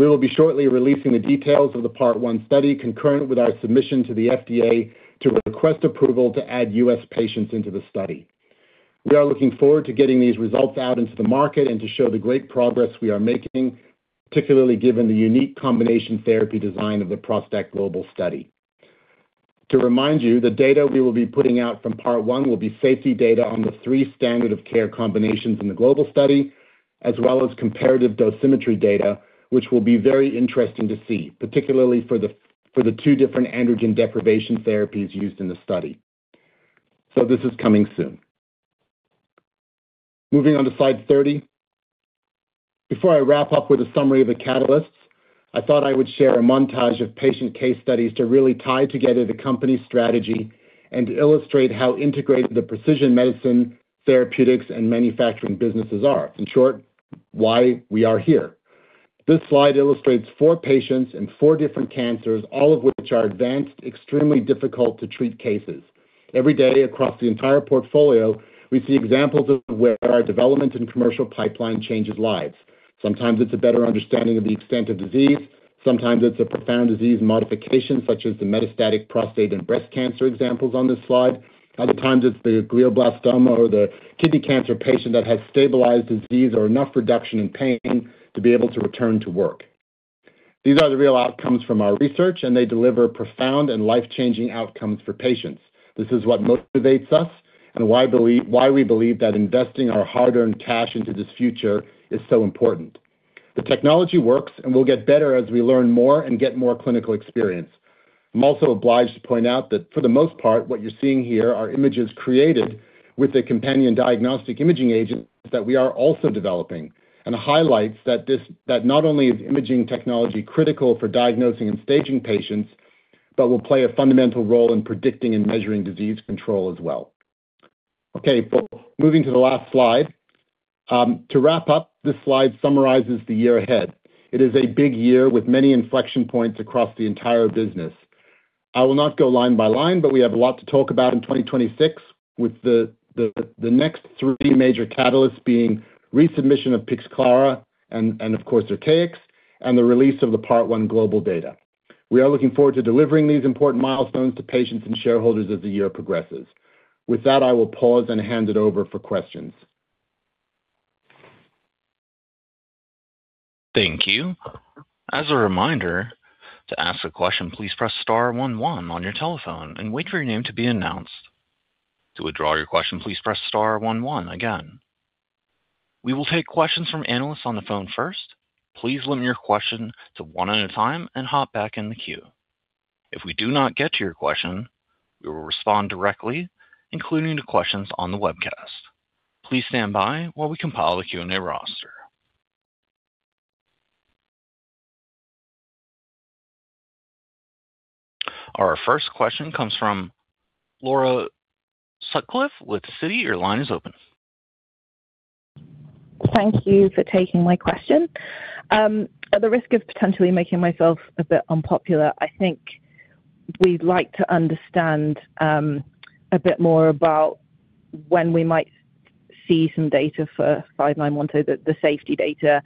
We will be shortly releasing the details of the part one study, concurrent with our submission to the FDA to request approval to add U.S. patients into the study. We are looking forward to getting these results out into the market and to show the great progress we are making, particularly given the unique combination therapy design of the ProstACT Global study. To remind you, the data we will be putting out from part one will be safety data on the three standard of care combinations in the global study, as well as comparative dosimetry data, which will be very interesting to see, particularly for the two different androgen deprivation therapies used in the study. So this is coming soon. Moving on to slide 30. Before I wrap up with a summary of the catalysts, I thought I would share a montage of patient case studies to really tie together the company's strategy and illustrate how integrated the precision medicine, therapeutics, and manufacturing businesses are. In short, why we are here. This slide illustrates four patients and four different cancers, all of which are advanced, extremely difficult to treat cases. Every day across the entire portfolio, we see examples of where our development and commercial pipeline changes lives. Sometimes it's a better understanding of the extent of disease, sometimes it's a profound disease modification, such as the metastatic prostate and breast cancer examples on this slide. Other times, it's the Glioblastoma or the kidney cancer patient that has stabilized disease or enough reduction in pain to be able to return to work. These are the real outcomes from our research, and they deliver profound and life-changing outcomes for patients. This is what motivates us and why we believe that investing our hard-earned cash into this future is so important. The technology works, and we'll get better as we learn more and get more clinical experience. I'm also obliged to point out that for the most part, what you're seeing here are images created with the companion diagnostic imaging agents that we are also developing, and highlights that this. That not only is imaging technology critical for diagnosing and staging patients, but will play a fundamental role in predicting and measuring disease control as well. Okay, moving to the last slide. To wrap up, this slide summarizes the year ahead. It is a big year with many inflection points across the entire business. I will not go line by line, but we have a lot to talk about in 2026, with the next three major catalysts being resubmission of Pixclara and, of course, Zircaix, and the release of the part one global data. We are looking forward to delivering these important milestones to patients and shareholders as the year progresses. With that, I will pause and hand it over for questions. Thank you. As a reminder, to ask a question, please press star one one on your telephone and wait for your name to be announced. To withdraw your question, please press star one one again. We will take questions from analysts on the phone first. Please limit your questions to one at a time and hop back in the queue. If we do not get to your question, we will respond directly, including the questions on the webcast. Please stand by while we compile a Q&A roster. Our first question comes from Laura Sutcliffe with Citi. Your line is open. Thank you for taking my question. At the risk of potentially making myself a bit unpopular, I think we'd like to understand a bit more about when we might see some data for 591, so the safety data.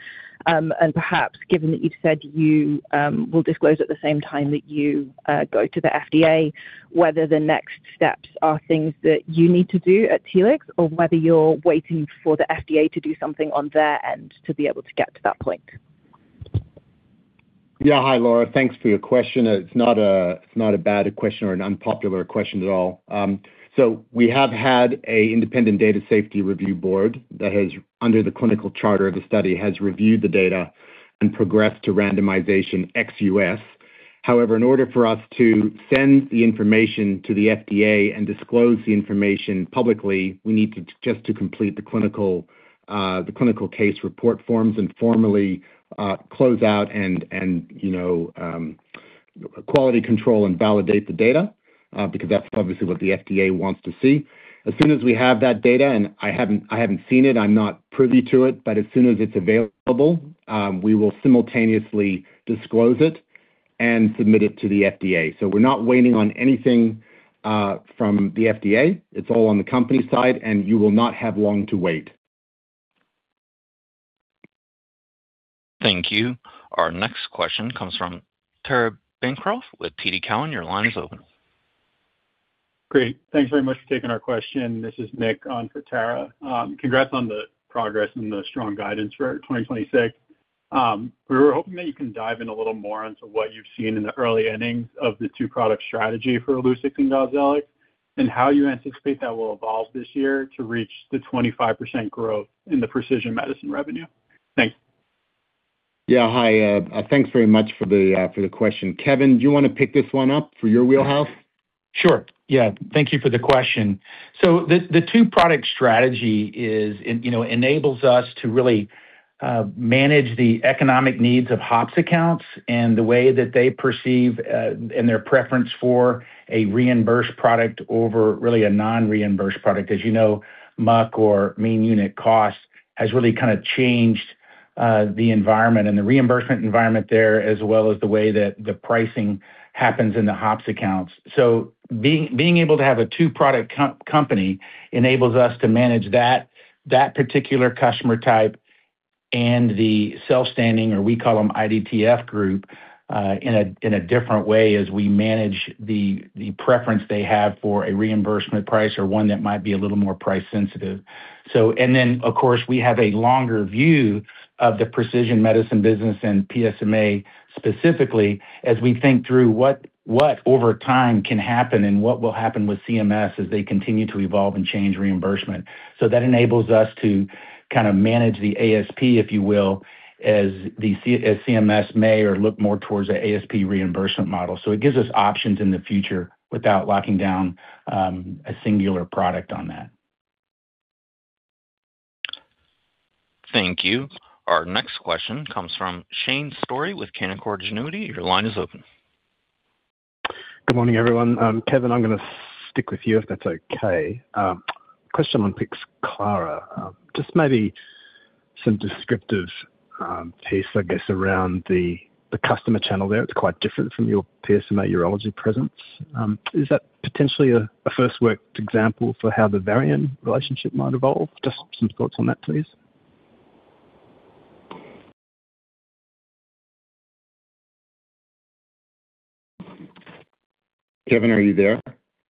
And perhaps, given that you've said you will disclose at the same time that you go to the FDA, whether the next steps are things that you need to do at Telix, or whether you're waiting for the FDA to do something on their end to be able to get to that point? Yeah. Hi, Laura. Thanks for your question. It's not a, it's not a bad question or an unpopular question at all. So we have had an independent data safety review board that has, under the clinical charter of the study, has reviewed the data and progressed to randomization ex-U.S. However, in order for us to send the information to the FDA and disclose the information publicly, we need to, just to complete the clinical, the clinical case report forms and formally, close out and, and, you know, quality control and validate the data, because that's obviously what the FDA wants to see. As soon as we have that data, and I haven't, I haven't seen it, I'm not privy to it, but as soon as it's available, we will simultaneously disclose it and submit it to the FDA. So we're not waiting on anything, from the FDA. It's all on the company side, and you will not have long to wait. Thank you. Our next question comes from Tara Bancroft with TD Cowen. Your line is open. Great. Thanks very much for taking our question. This is Nick on for Tara. Congrats on the progress and the strong guidance for 2026. We were hoping that you can dive in a little more into what you've seen in the early innings of the two product strategy for Illuccix and Gleolan, and how you anticipate that will evolve this year to reach the 25% growth in the Precision Medicine revenue. Thanks? Yeah, hi. Thanks very much for the, for the question. Kevin, do you wanna pick this one up for your wheelhouse? Sure. Yeah. Thank you for the question. So the two product strategy is, you know, enables us to really manage the economic needs of HOPPS accounts and the way that they perceive and their preference for a reimbursed product over really a non-reimbursed product. As you know, MUC, or mean unit cost, has really kinda changed the environment and the reimbursement environment there, as well as the way that the pricing happens in the HOPPS accounts. So being able to have a two-product company enables us to manage that particular customer type and the self-standing, or we call them IDTF group, in a different way as we manage the preference they have for a reimbursement price or one that might be a little more price sensitive. And then, of course, we have a longer view of the precision medicine business and PSMA, specifically, as we think through what over time can happen and what will happen with CMS as they continue to evolve and change reimbursement. So that enables us to kinda manage the ASP, if you will, as CMS may or look more towards the ASP reimbursement model. So it gives us options in the future without locking down a singular product on that. Thank you. Our next question comes from Shane Storey with Canaccord Genuity. Your line is open. Good morning, everyone. Kevin, I'm gonna stick with you, if that's okay. Question on Pixclara. Just maybe some descriptive piece, I guess, around the customer channel there. It's quite different from your PSMA urology presence. Is that potentially a first worked example for how the Varian relationship might evolve? Just some thoughts on that, please. Kevin, are you there?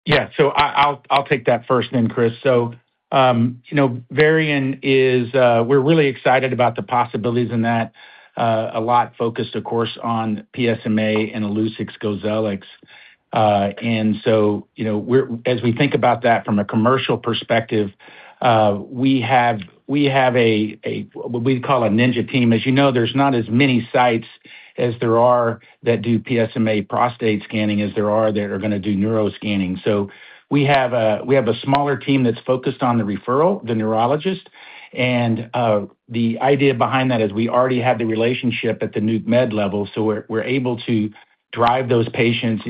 Yeah. So I'll take that first then, Chris. So, you know, Varian is. We're really excited about the possibilities in that, a lot focused, of course, on PSMA and Illuccix Gleolan. And so, you know, we're- as we think about that from a commercial perspective, we have, we have a, a, what we call a ninja team. As you know, there's not as many sites as there are that do PSMA prostate scanning as there are that are gonna do neuro scanning. So we have a smaller team that's focused on the referral, the neurologist, and the idea behind that is we already have the relationship at the nuke med level, so we're able to drive those patients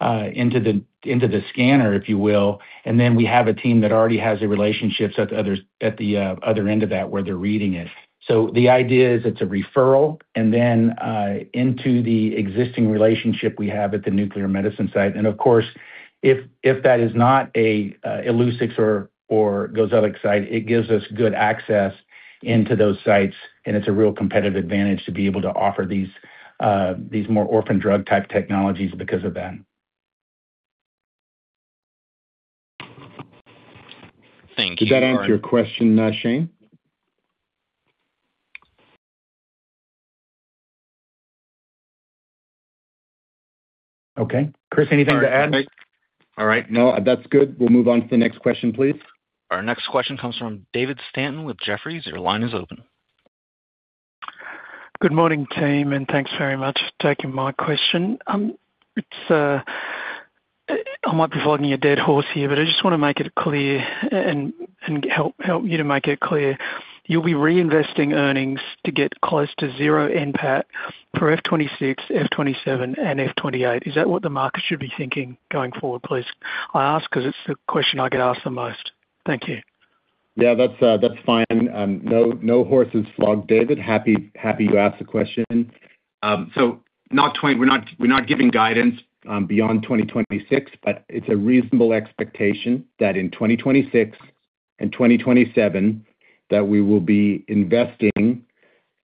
into the scanner, if you will, and then we have a team that already has the relationships at the other end of that, where they're reading it. So the idea is it's a referral and then into the existing relationship we have at the nuclear medicine site. And of course, if that is not a Illuccix or Gleolan site, it gives us good access into those sites, and it's a real competitive advantage to be able to offer these more orphan drug type technologies because of that. Thank you- Did that answer your question, Shane? Okay. Chris, anything to add? All right. No, that's good. We'll move on to the next question, please. Our next question comes from David Stanton with Jefferies. Your line is open. Good morning, team, and thanks very much for taking my question. I might be flogging a dead horse here, but I just wanna make it clear and help you to make it clear. You'll be reinvesting earnings to get close to zero NPAT for F-26, F-27, and F-28. Is that what the market should be thinking going forward, please? I ask because it's the question I get asked the most. Thank you. Yeah, that's fine. No, no horses flogged, David. Happy, happy you asked the question. So we're not, we're not giving guidance beyond 2026, but it's a reasonable expectation that in 2026 and 2027, that we will be investing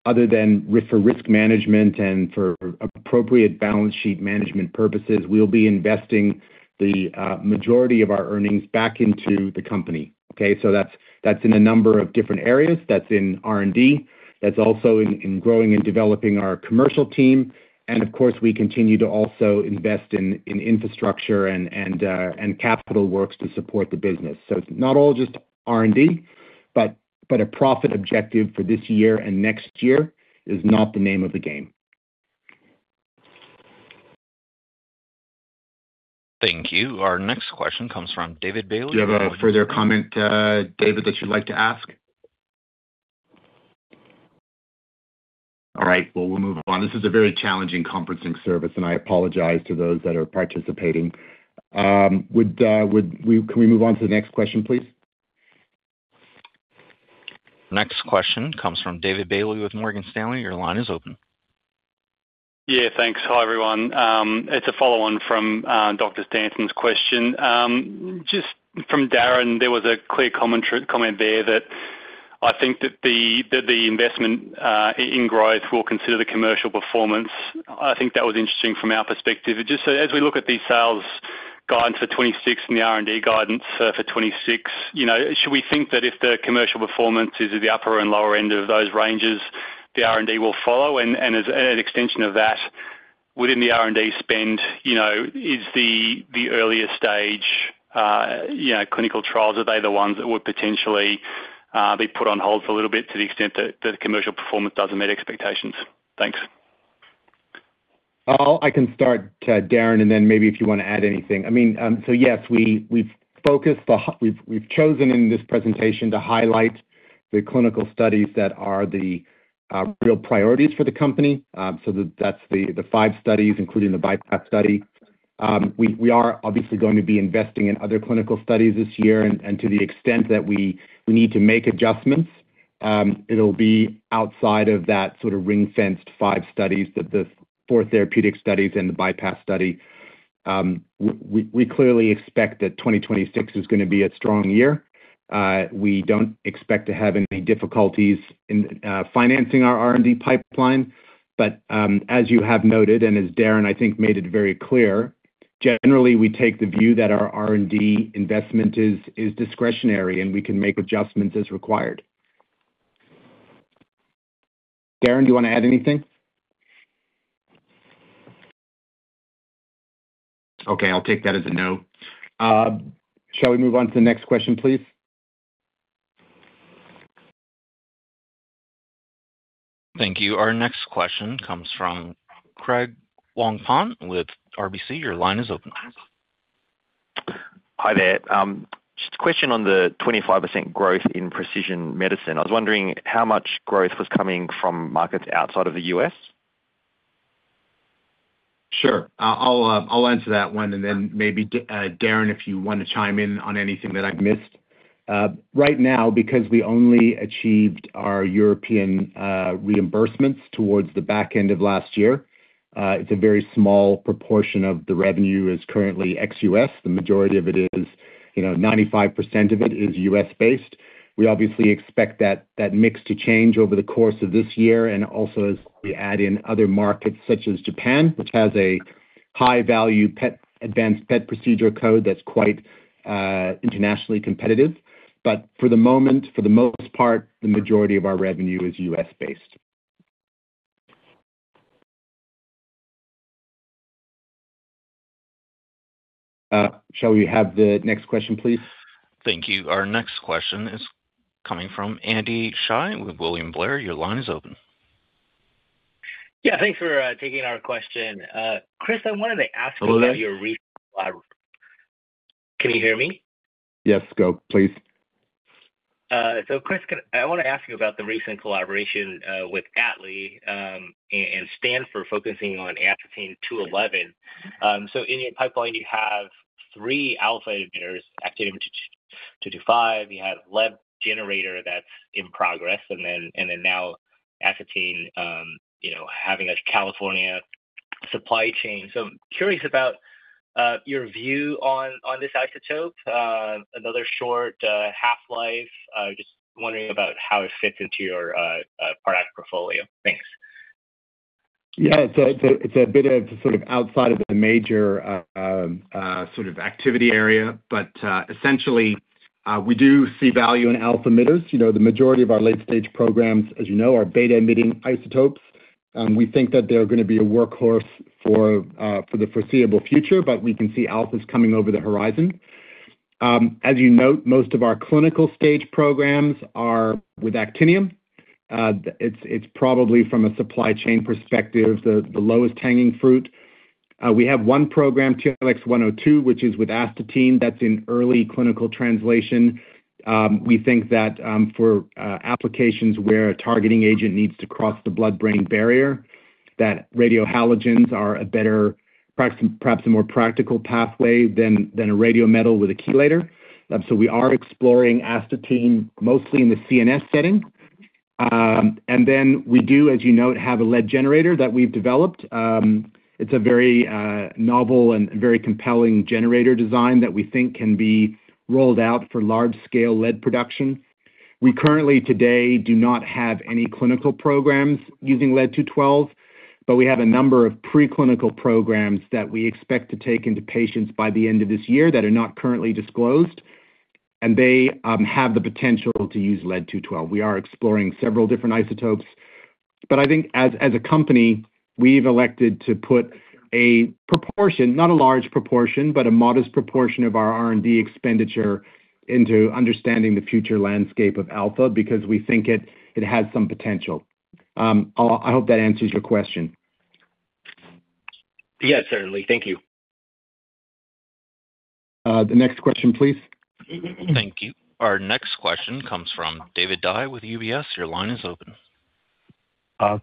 other than for risk management and for appropriate balance sheet management purposes, we'll be investing the majority of our earnings back into the company, okay? So that's, that's in a number of different areas. That's in R&D, that's also in growing and developing our commercial team, and of course, we continue to also invest in infrastructure and capital works to support the business. So it's not all just R&D, but a profit objective for this year and next year is not the name of the game. Thank you. Our next question comes from David Bailey- Do you have a further comment, David, that you'd like to ask? All right, well, we'll move on. This is a very challenging conferencing service, and I apologize to those that are participating. Can we move on to the next question, please? Next question comes from David Bailey with Morgan Stanley. Your line is open. Yeah, thanks. Hi, everyone. It's a follow-on from Dr. Stanton's question. Just from Darren, there was a clear comment there that I think that the investment in growth will consider the commercial performance. I think that was interesting from our perspective. Just so as we look at the sales guidance for 2026 and the R&D guidance for 2026, you know, should we think that if the commercial performance is at the upper and lower end of those ranges, the R&D will follow? And as an extension of that, within the R&D spend, you know, is the earlier stage, you know, clinical trials, are they the ones that would potentially be put on hold for a little bit to the extent that the commercial performance doesn't meet expectations? Thanks. Well, I can start, Darren, and then maybe if you wanna add anything. I mean, so yes, we've chosen in this presentation to highlight the clinical studies that are the real priorities for the company. So that's the five studies, including the BYPASS study. We are obviously going to be investing in other clinical studies this year, and to the extent that we need to make adjustments, it'll be outside of that sort of ring-fenced five studies that the four therapeutic studies and the BYPASS study. We clearly expect that 2026 is gonna be a strong year. We don't expect to have any difficulties in financing our R&D pipeline, but as you have noted, and as Darren, I think, made it very clear, generally, we take the view that our R&D investment is discretionary, and we can make adjustments as required. Darren, do you wanna add anything? Okay, I'll take that as a no. Shall we move on to the next question, please? Thank you. Our next question comes from Craig Wong-Pan with RBC. Your line is open. Hi there. Just a question on the 25% growth in precision medicine. I was wondering how much growth was coming from markets outside of the U.S. Sure. I'll answer that one, and then maybe Darren, if you want to chime in on anything that I've missed. Right now, because we only achieved our European reimbursements towards the back end of last year, it's a very small proportion of the revenue is currently ex-U.S. The majority of it is, you know, 95% of it is U.S.-based. We obviously expect that mix to change over the course of this year and also as we add in other markets such as Japan, which has a high-value PET, advanced PET procedure code that's quite internationally competitive. But for the moment, for the most part, the majority of our revenue is U.S.-based. Shall we have the next question, please? Thank you. Our next question is coming from Andy Hsieh with William Blair. Your line is open. Yeah, thanks for taking our question. Chris, I wanted to ask about your re- Hello there? Can you hear me? Yes, go, please. So, Chris, can I want to ask you about the recent collaboration with Atley and Stanford, focusing on astatine-211. So in your pipeline, you have three alpha emitters, actinium-225, you have lead generator that's in progress, and then now astatine, you know, having a California supply chain. So I'm curious about your view on this isotope, another short half-life. Just wondering about how it fits into your product portfolio. Thanks. Yeah, it's a bit of sort of outside of the major sort of activity area, but essentially, we do see value in alpha emitters. You know, the majority of our late-stage programs, as you know, are beta-emitting isotopes. We think that they're gonna be a workhorse for the foreseeable future, but we can see alphas coming over the horizon. As you note, most of our clinical stage programs are with actinium. It's probably from a supply chain perspective, the lowest hanging fruit. We have one program, TLX-102, which is with astatine, that's in early clinical translation. We think that for applications where a targeting agent needs to cross the blood-brain barrier, that radiohalogens are a better perhaps a more practical pathway than a radiometal with a chelator. So we are exploring astatine, mostly in the CNS setting. And then we do, as you know, have a lead generator that we've developed. It's a very novel and very compelling generator design that we think can be rolled out for large-scale lead production. We currently today do not have any clinical programs using lead-212, but we have a number of preclinical programs that we expect to take into patients by the end of this year that are not currently disclosed, and they have the potential to use lead-212. We are exploring several different isotopes, but I think as a company, we've elected to put a proportion, not a large proportion, but a modest proportion of our R&D expenditure into understanding the future landscape of alpha, because we think it has some potential. I hope that answers your question. Yes, certainly. Thank you. The next question, please. Thank you. Our next question comes from David Dai with UBS. Your line is open.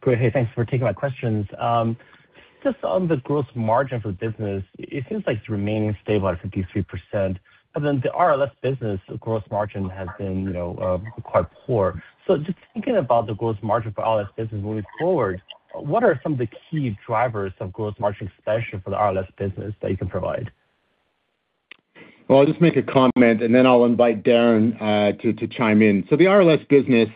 Great. Hey, thanks for taking my questions. Just on the gross margin for the business, it seems like it's remaining stable at 53%, but then the RLS business gross margin has been, you know, quite poor. So just thinking about the gross margin for RLS business moving forward, what are some of the key drivers of gross margin, especially for the RLS business, that you can provide? Well, I'll just make a comment, and then I'll invite Darren to chime in. So the RLS business,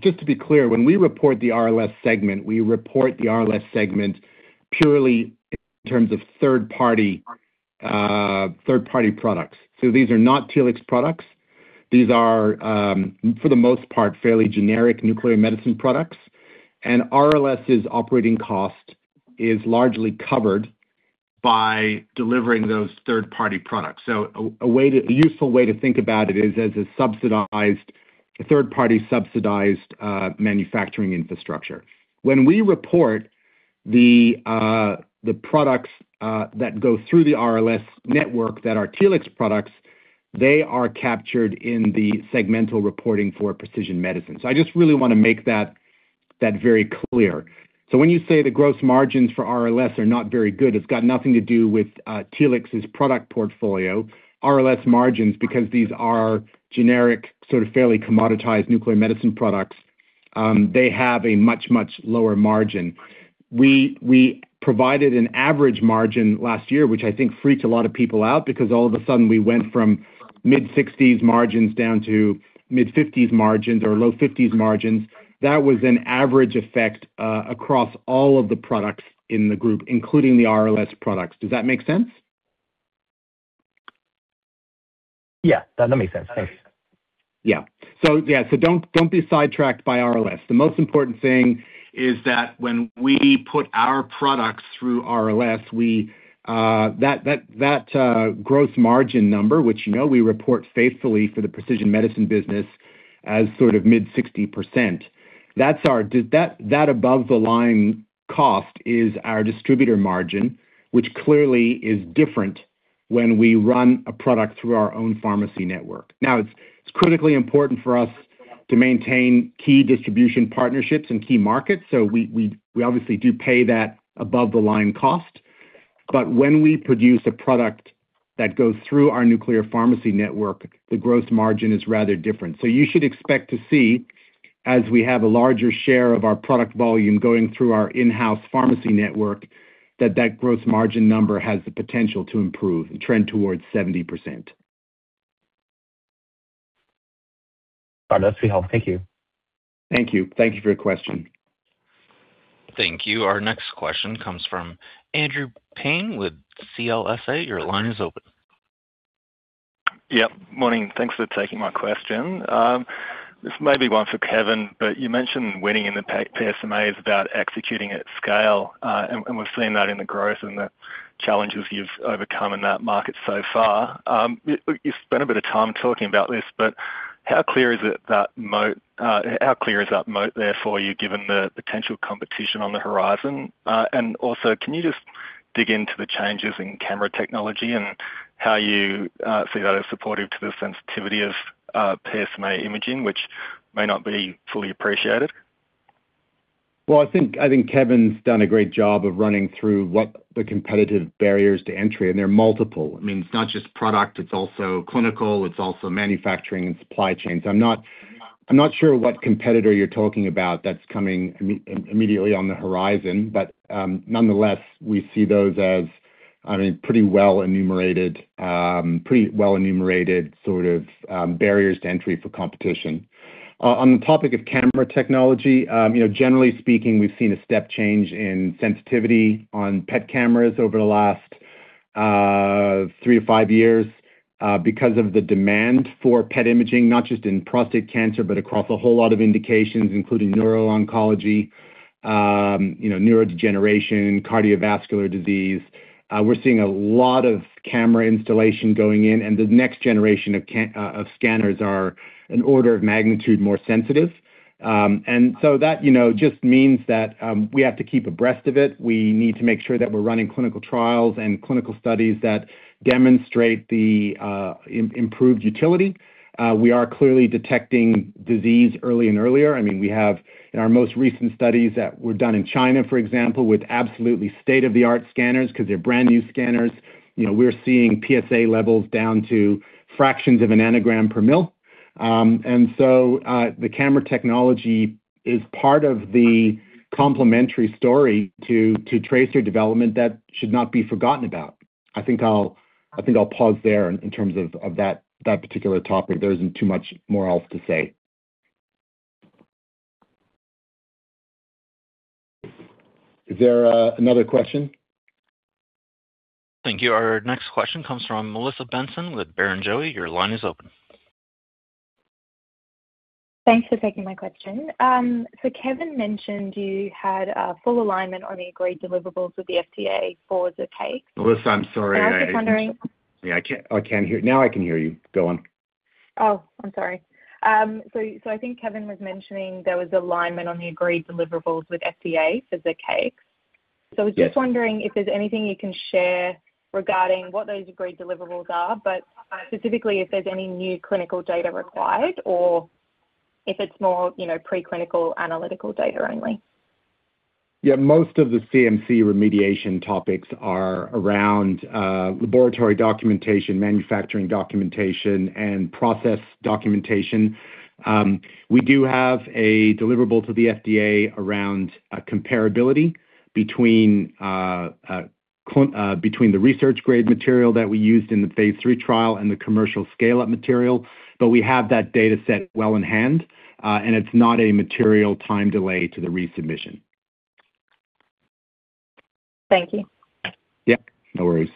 just to be clear, when we report the RLS segment, we report the RLS segment purely in terms of third-party products. So these are not Telix products. These are, for the most part, fairly generic nuclear medicine products. And RLS's operating cost is largely covered by delivering those third-party products. So a useful way to think about it is as a subsidized, third-party subsidized manufacturing infrastructure. When we report the products that go through the RLS network that are Telix products, they are captured in the segmental reporting for Precision Medicine. So I just really wanna make that very clear. So when you say the gross margins for RLS are not very good, it's got nothing to do with Telix's product portfolio. RLS margins, because these are generic, sort of fairly commoditized nuclear medicine products, they have a much, much lower margin. We, we provided an average margin last year, which I think freaked a lot of people out because all of a sudden we went from mid-sixties margins down to mid-fifties margins or low fifties margins. That was an average effect across all of the products in the group, including the RLS products. Does that make sense? Yeah, that makes sense. Thanks. Yeah. So, yeah, so don't be sidetracked by RLS. The most important thing is that when we put our products through RLS, we. That gross margin number, which you know we report faithfully for the precision medicine business as sort of mid-60%, that's our, that above-the-line cost is our distributor margin, which clearly is different when we run a product through our own pharmacy network. Now, it's critically important for us to maintain key distribution partnerships in key markets, so we obviously do pay that above-the-line cost. But when we produce a product that goes through our nuclear pharmacy network, the gross margin is rather different. You should expect to see, as we have a larger share of our product volume going through our in-house pharmacy network, that that gross margin number has the potential to improve and trend towards 70%. All right, that's helpful. Thank you. Thank you. Thank you for your question. Thank you. Our next question comes from Andrew Paine with CLSA. Your line is open. Yep. Morning. Thanks for taking my question. This may be one for Kevin, but you mentioned winning in the PSMA is about executing at scale, and we've seen that in the growth and the challenges you've overcome in that market so far. You've spent a bit of time talking about this, but how clear is it that moat, how clear is that moat there for you, given the potential competition on the horizon? And also, can you just dig into the changes in camera technology and how you see that as supportive to the sensitivity of PSMA imaging, which may not be fully appreciated? Well, I think, I think Kevin's done a great job of running through what the competitive barriers to entry, and they're multiple. I mean, it's not just product, it's also clinical, it's also manufacturing and supply chains. I'm not, I'm not sure what competitor you're talking about that's coming immediately on the horizon, but, nonetheless, we see those as, I mean, pretty well enumerated, pretty well enumerated sort of, barriers to entry for competition. On the topic of camera technology, you know, generally speaking, we've seen a step change in sensitivity on PET cameras over the last, three to five years, because of the demand for PET imaging, not just in prostate cancer, but across a whole lot of indications, including neuro-oncology, you know, neurodegeneration, cardiovascular disease. We're seeing a lot of camera installation going in, and the next generation of scanners are an order of magnitude more sensitive. And so that, you know, just means that we have to keep abreast of it. We need to make sure that we're running clinical trials and clinical studies that demonstrate the improved utility. We are clearly detecting disease early and earlier. I mean, we have in our most recent studies that were done in China, for example, with absolutely state-of-the-art scanners, because they're brand-new scanners, you know, we're seeing PSA levels down to fractions of a nanogram per mil. And so, the camera technology is part of the complementary story to tracer development that should not be forgotten about. I think I'll pause there in terms of that particular topic. There isn't too much more else to say. Is there, another question? Thank you. Our next question comes from Melissa Benson with Barrenjoey. Your line is open. Thanks for taking my question. So, Kevin mentioned you had a full alignment on the agreed deliverables with the FDA for the BLA. Melissa, I'm sorry. I was just wondering- Yeah, I can't, I can't hear. Now I can hear you. Go on. Oh, I'm sorry. So I think Kevin was mentioning there was alignment on the agreed deliverables with FDA for the CMC. Yes. So I was just wondering if there's anything you can share regarding what those agreed deliverables are, but specifically, if there's any new clinical data required or if it's more, you know, preclinical analytical data only. Yeah, most of the CMC remediation topics are around laboratory documentation, manufacturing documentation, and process documentation. We do have a deliverable to the FDA around comparability between the research grade material that we used in the phase III trial and the commercial scale-up material, but we have that data set well in hand, and it's not a material time delay to the resubmission. Thank you. Yeah, no worries.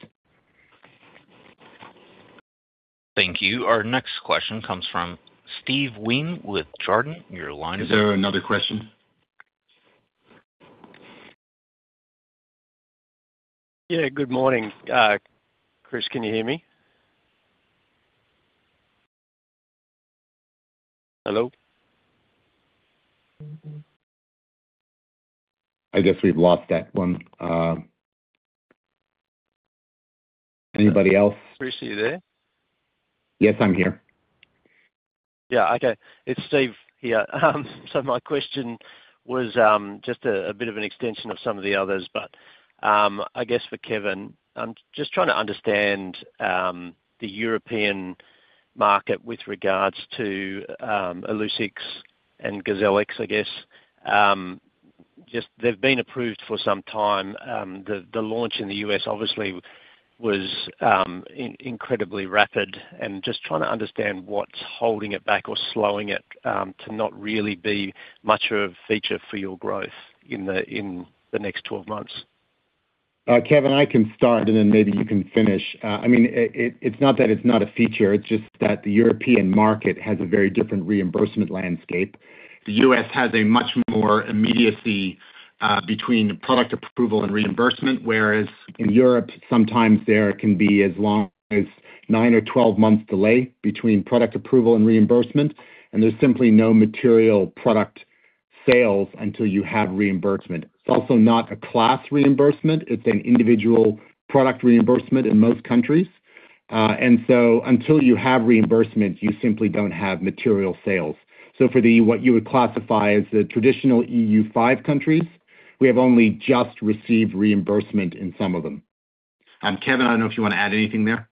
Thank you. Our next question comes from Steve Wheen with Jarden. Your line is- Is there another question? Yeah, good morning. Chris, can you hear me? Hello? I guess we've lost that one. Anybody else? Chris, are you there? Yes, I'm here. Yeah, okay. It's Steve here. So my question was, just a bit of an extension of some of the others, but, I guess for Kevin, I'm just trying to understand, the European market with regards to, Illuccix and Gleolan, I guess. Just they've been approved for some time, the launch in the U.S obviously was, incredibly rapid and just trying to understand what's holding it back or slowing it, to not really be much of a feature for your growth in the, in the next twelve months. Kevin, I can start, and then maybe you can finish. I mean, it's not that it's not a feature, it's just that the European market has a very different reimbursement landscape. The U.S. has a much more immediacy between product approval and reimbursement, whereas in Europe, sometimes there can be as long as nine or 12 months delay between product approval and reimbursement, and there's simply no material product sales until you have reimbursement. It's also not a class reimbursement, it's an individual product reimbursement in most countries. And so until you have reimbursement, you simply don't have material sales. So for the what you would classify as the traditional EU 5 countries, we have only just received reimbursement in some of them. Kevin, I don't know if you want to add anything there.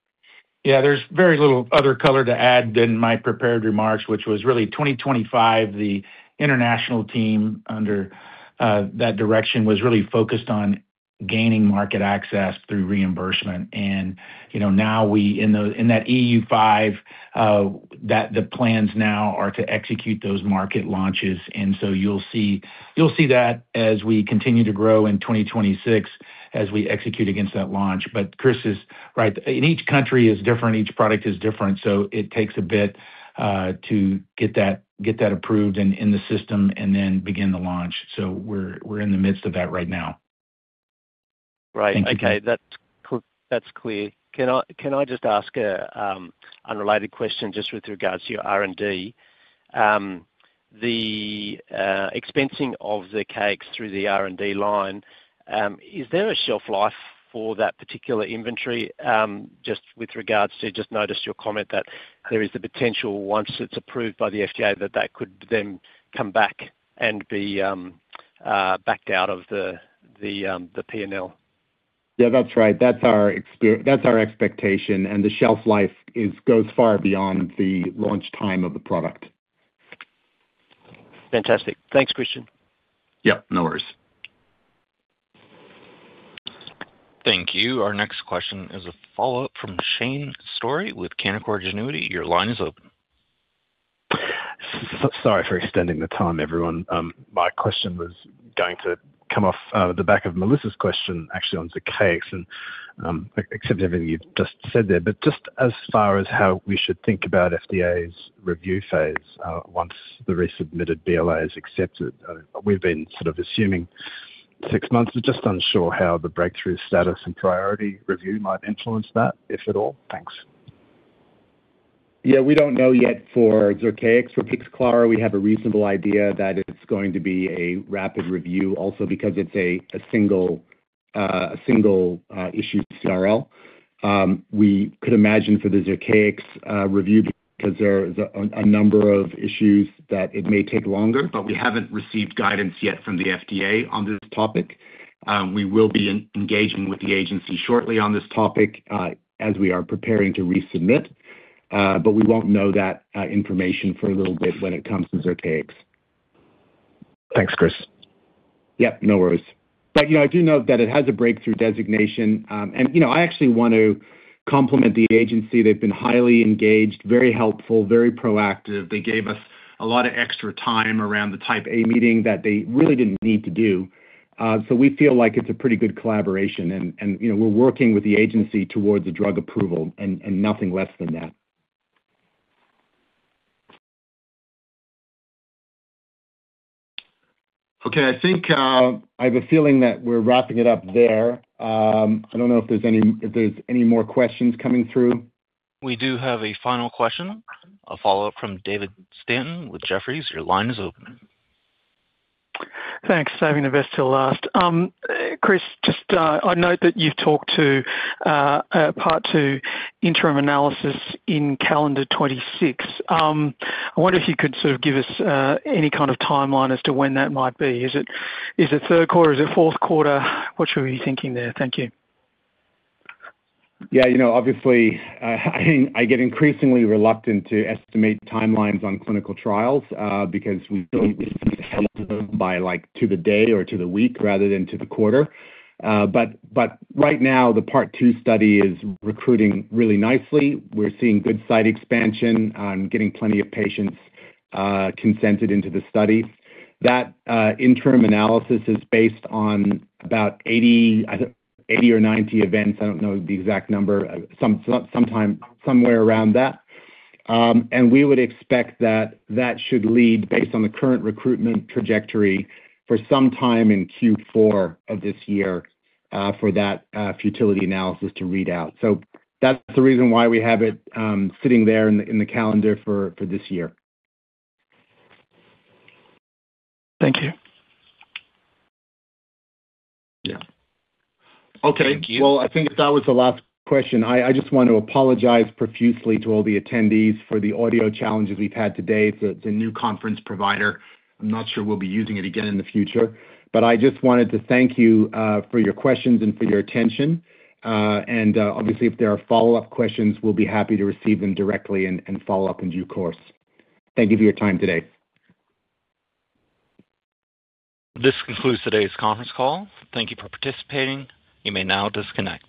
Yeah, there's very little other color to add than my prepared remarks, which was really 2025, the international team under that direction was really focused on gaining market access through reimbursement. You know, now we, in the, in that EU 5, the plans now are to execute those market launches, and so you'll see, you'll see that as we continue to grow in 2026 as we execute against that launch. But Chris is right. Each country is different, each product is different, so it takes a bit to get that approved and in the system and then begin the launch. So we're in the midst of that right now. Right. Thank you, Kevin. Okay, that's clear. Can I just ask a unrelated question just with regards to your R&D? The expensing of the cakes through the R&D line, is there a shelf life for that particular inventory? Just with regards to just notice your comment that there is the potential, once it's approved by the FDA, that that could then come back and be backed out of the PNL. Yeah, that's right. That's our expectation, and the shelf life goes far beyond the launch time of the product. Fantastic. Thanks, Christian. Yep, no worries. Thank you. Our next question is a follow-up from Shane Storey with Canaccord Genuity. Your line is open. Sorry for extending the time, everyone. My question was going to come off the back of Melissa's question, actually on Zircaix and, except everything you've just said there, but just as far as how we should think about FDA's review phase, once the resubmitted BLA is accepted. We've been sort of assuming six months. We're just unsure how the breakthrough status and priority review might influence that, if at all. Thanks. Yeah, we don't know yet for Zircaix. For Pixclara, we have a reasonable idea that it's going to be a rapid review also because it's a single issue, CRL. We could imagine for the Zircaix review, because there is a number of issues that it may take longer, but we haven't received guidance yet from the FDA on this topic. We will be engaging with the agency shortly on this topic, as we are preparing to resubmit, but we won't know that information for a little bit when it comes to Zircaix. Thanks, Chris. Yep, no worries. But, you know, I do note that it has a breakthrough designation. You know, I actually want to compliment the agency. They've been highly engaged, very helpful, very proactive. They gave us a lot of extra time around the Type A meeting that they really didn't need to do. So we feel like it's a pretty good collaboration and, you know, we're working with the agency towards the drug approval and nothing less than that. Okay, I think I have a feeling that we're wrapping it up there. I don't know if there's any more questions coming through. We do have a final question, a follow-up from David Stanton with Jefferies. Your line is open. Thanks. Saving the best till last. Chris, just, I note that you've talked to a part two interim analysis in calendar 2026. I wonder if you could sort of give us any kind of timeline as to when that might be. Is it third quarter? Is it fourth quarter? What should we be thinking there? Thank you. Yeah, you know, obviously, I get increasingly reluctant to estimate timelines on clinical trials, because we don't by like, to the day or to the week rather than to the quarter. But right now, the part two study is recruiting really nicely. We're seeing good site expansion on getting plenty of patients consented into the study. That interim analysis is based on about 80, I think 80 or 90 events. I don't know the exact number, somewhere around that. And we would expect that that should lead based on the current recruitment trajectory for some time in Q4 of this year, for that futility analysis to read out. So that's the reason why we have it sitting there in the calendar for this year. Thank you. Yeah. Okay. Well, I think if that was the last question, I just want to apologize profusely to all the attendees for the audio challenges we've had today. It's a new conference provider. I'm not sure we'll be using it again in the future, but I just wanted to thank you for your questions and for your attention. And obviously, if there are follow-up questions, we'll be happy to receive them directly and follow up in due course. Thank you for your time today. This concludes today's conference call. Thank you for participating. You may now disconnect.